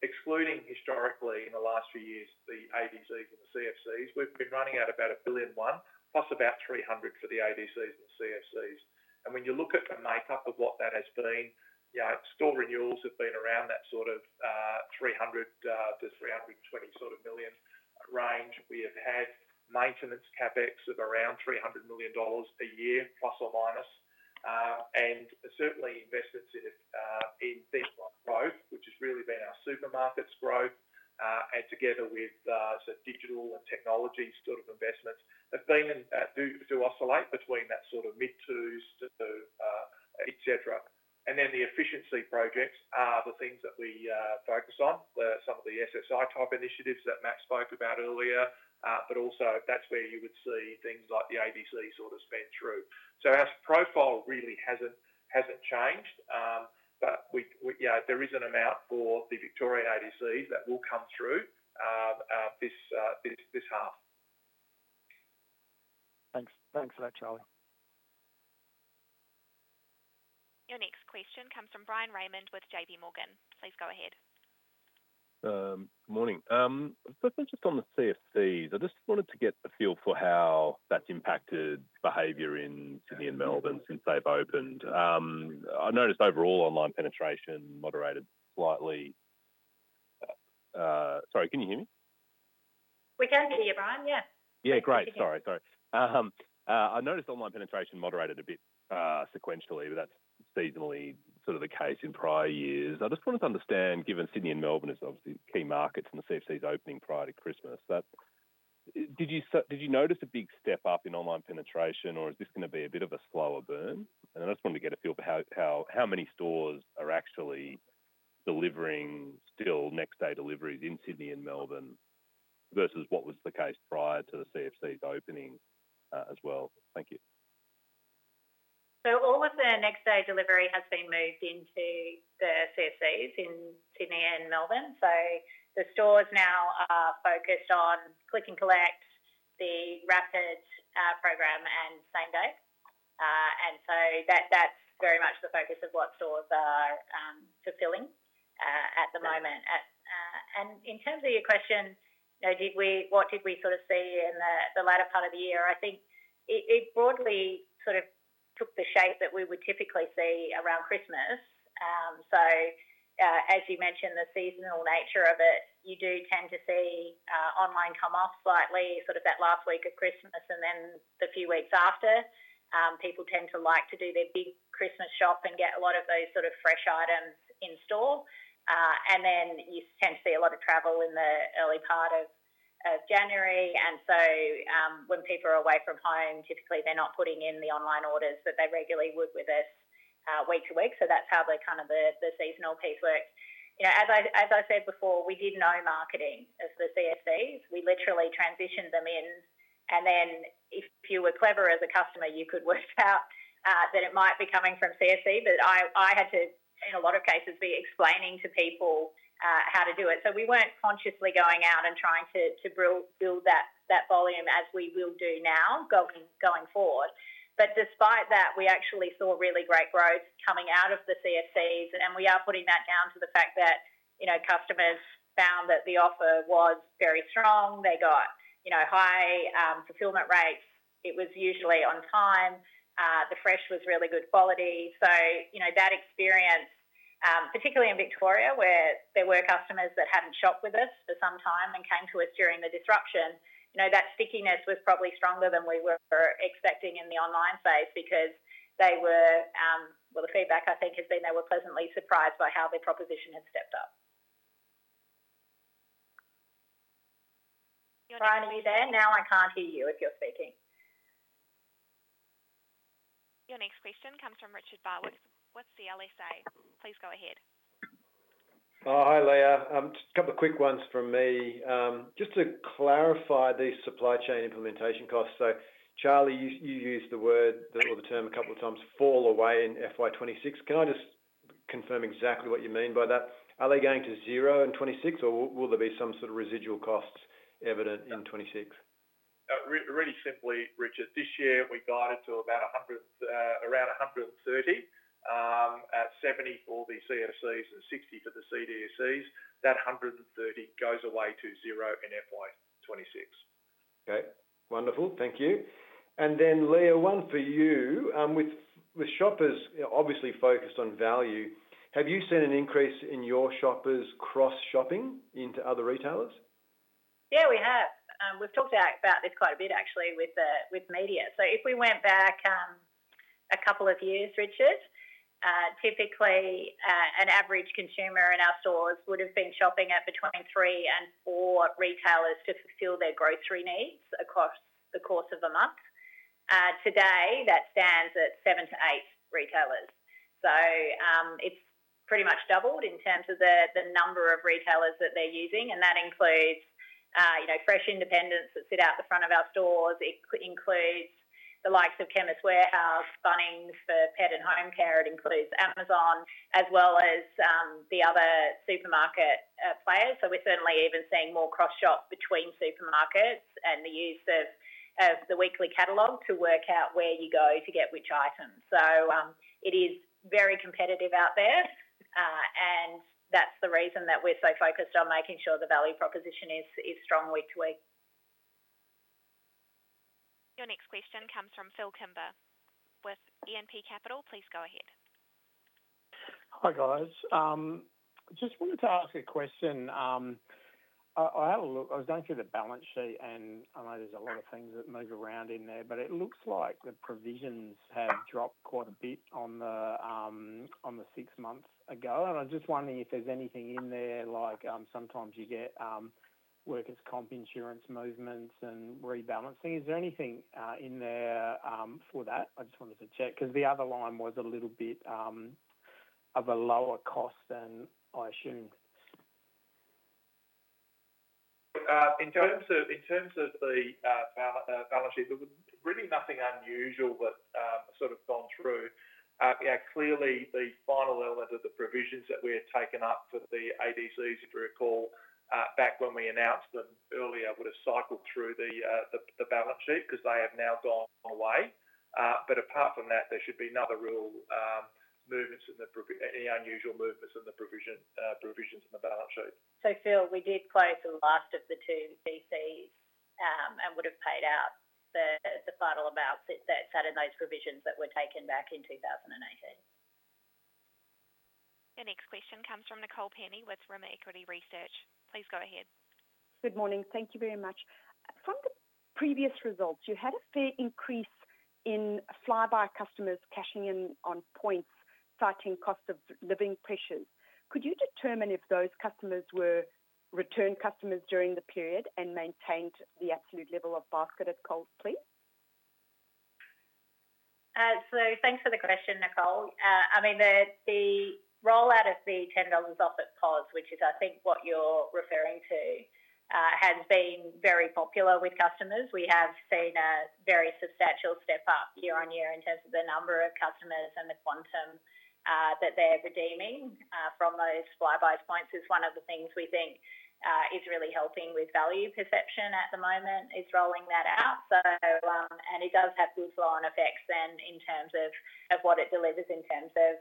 Excluding historically in the last few years, the ADCs and the CFCs, we've been running at about 1 billion, plus about 300 million for the ADCs and the CFCs. And when you look at the makeup of what that has been, store renewals have been around that sort of 300-320 million range. We have had maintenance CapEx of around 300 million dollars a year, plus or minus. And certainly investments in things like growth, which has really been our Supermarkets' growth, and together with sort of digital and technology sort of investments have been to oscillate between that sort of mid-2s to etc. And then the efficiency projects are the things that we focus on, some of the SSI type initiatives that Matt spoke about earlier, but also that's where you would see things like the ADC sort of spend through. So our profile really hasn't changed, but there is an amount for the Victorian ADCs that will come through this half. Thanks for that, Charlie. Your next question comes from Bryan Raymond with JPMorgan. Please go ahead. Good morning. Firstly, just on the CFCs, I just wanted to get a feel for how that's impacted behavior in Sydney and Melbourne since they've opened. I noticed overall online penetration moderated slightly. Sorry, can you hear me? We can hear you, Bryan. Yeah. Yeah. Great. Sorry. I noticed online penetration moderated a bit sequentially, but that's seasonally sort of the case in prior years. I just wanted to understand, given Sydney and Melbourne are obviously key markets and the CFCs opening prior to Christmas, did you notice a big step-up in online penetration, or is this going to be a bit of a slower burn? And I just wanted to get a feel for how many stores are actually delivering still next-day deliveries in Sydney and Melbourne versus what was the case prior to the CFCs opening as well? Thank you. All of the next-day delivery has been moved into the CFCs in Sydney and Melbourne. The stores now are focused on click and collect, the Rapid program, and same-day. That's very much the focus of what stores are fulfilling at the moment. In terms of your question, what did we sort of see in the latter part of the year? I think it broadly sort of took the shape that we would typically see around Christmas. So as you mentioned, the seasonal nature of it, you do tend to see online come off slightly, sort of that last week of Christmas and then the few weeks after. People tend to like to do their big Christmas shop and get a lot of those sort of fresh items in store. And then you tend to see a lot of travel in the early part of January. And so when people are away from home, typically they're not putting in the online orders that they regularly would with us week to week. So that's how kind of the seasonal piece works. As I said before, we did no marketing as the CFCs. We literally transitioned them in. And then if you were clever as a customer, you could work out that it might be coming from CFC. But I had to, in a lot of cases, be explaining to people how to do it. So we weren't consciously going out and trying to build that volume as we will do now going forward. But despite that, we actually saw really great growth coming out of the CFCs. And we are putting that down to the fact that customers found that the offer was very strong. They got high fulfillment rates. It was usually on time. The fresh was really good quality. So that experience, particularly in Victoria, where there were customers that hadn't shopped with us for some time and came to us during the disruption, that stickiness was probably stronger than we were expecting in the online phase because they were well, the feedback, I think, has been they were pleasantly surprised by how their proposition had stepped up. Trying to be there. Now I can't hear you if you're speaking. Your next question comes from Richard Barwick of CLSA. Please go ahead. Hi, Leah. Just a couple of quick ones from me. Just to clarify these supply chain implementation costs. So Charlie, you used the word or the term a couple of times, fall away in FY 2026. Can I just confirm exactly what you mean by that? Are they going to zero in 2026, or will there be some sort of residual costs evident in 2026? Really simply, Richard, this year we guided to around 130, at 70 for the CFCs and 60 for the ADCs. That 130 goes away to zero in FY 2026. Okay. Wonderful. Thank you. And then, Leah, one for you. With shoppers obviously focused on value, have you seen an increase in your shoppers' cross-shopping into other retailers? Yeah, we have. We've talked about this quite a bit, actually, with media. So if we went back a couple of years, Richard, typically an average consumer in our stores would have been shopping at between three and four retailers to fulfill their grocery needs across the course of a month. Today, that stands at seven to eight retailers. So it's pretty much doubled in terms of the number of retailers that they're using. And that includes fresh independents that sit out the front of our stores. It includes the likes of Chemist Warehouse, Bunnings for pet and home care. It includes Amazon, as well as the other supermarket players, so we're certainly even seeing more cross-shop between Supermarkets and the use of the weekly catalog to work out where you go to get which item, so it is very competitive out there, and that's the reason that we're so focused on making sure the value proposition is strong week to week. Your next question comes from Phil Kimber with E&P Capital. Please go ahead. Hi, guys. I just wanted to ask a question. I had a look. I was going through the balance sheet, and I know there's a lot of things that move around in there, but it looks like the provisions have dropped quite a bit on the six months ago. I'm just wondering if there's anything in there, like sometimes you get workers' comp insurance movements and rebalancing. Is there anything in there for that? I just wanted to check because the other line was a little bit of a lower cost than I assumed. In terms of the balance sheet, there was really nothing unusual that sort of gone through. Clearly, the final element of the provisions that we had taken up for the ADCs, if you recall, back when we announced them earlier, would have cycled through the balance sheet because they have now gone away. But apart from that, there should be no other real movements in any unusual movements in the provisions in the balance sheet. So Phil, we did close the last of the two DCs and would have paid out the final amounts that sat in those provisions that were taken back in 2018. Your next question comes from Nicole Penny with Rimor Equity Research. Please go ahead. Good morning. Thank you very much. From the previous results, you had a fair increase in Flybuys customers cashing in on points citing cost of living pressures. Could you determine if those customers were return customers during the period and maintained the absolute level of basket cost, please? So thanks for the question, Nicole. I mean, the rollout of the 10 dollars off at POS, which is, I think, what you're referring to, has been very popular with customers. We have seen a very substantial step-up year on year in terms of the number of customers and the quantum that they're redeeming from those Flybuys points is one of the things we think is really helping with value perception at the moment, is rolling that out. And it does have good flow-on effects then in terms of what it delivers in terms of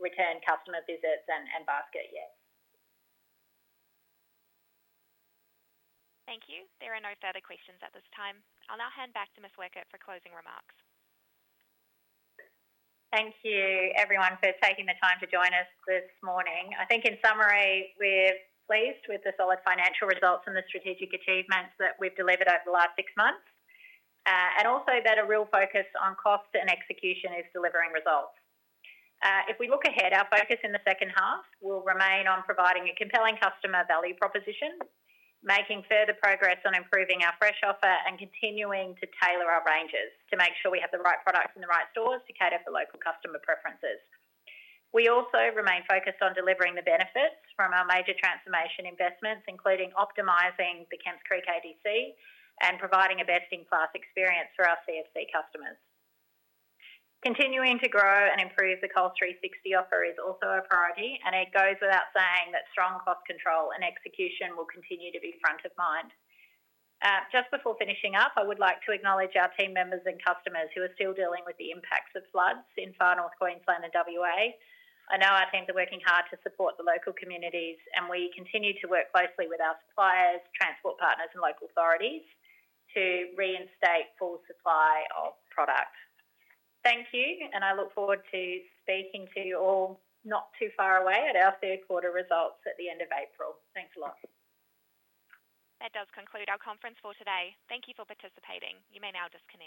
return customer visits and basket, yes. Thank you. There are no further questions at this time. I'll now hand back to Ms. Weckert for closing remarks. Thank you, everyone, for taking the time to join us this morning. I think in summary, we're pleased with the solid financial results and the strategic achievements that we've delivered over the last six months. And also that a real focus on cost and execution is delivering results. If we look ahead, our focus in the second half will remain on providing a compelling customer value proposition, making further progress on improving our fresh offer and continuing to tailor our ranges to make sure we have the right products in the right stores to cater for local customer preferences. We also remain focused on delivering the benefits from our major transformation investments, including optimizing the Kemps Creek ADC and providing a best-in-class experience for our CFC customers. Continuing to grow and improve the Coles 360 offer is also a priority, and it goes without saying that strong cost control and execution will continue to be front of mind. Just before finishing up, I would like to acknowledge our team members and customers who are still dealing with the impacts of floods in Far North Queensland and WA. I know our teams are working hard to support the local communities, and we continue to work closely with our suppliers, transport partners, and local authorities to reinstate full supply of product. Thank you, and I look forward to speaking to you all not too far away at our third-quarter results at the end of April. Thanks a lot. That does conclude our conference for today. Thank you for participating. You may now disconnect.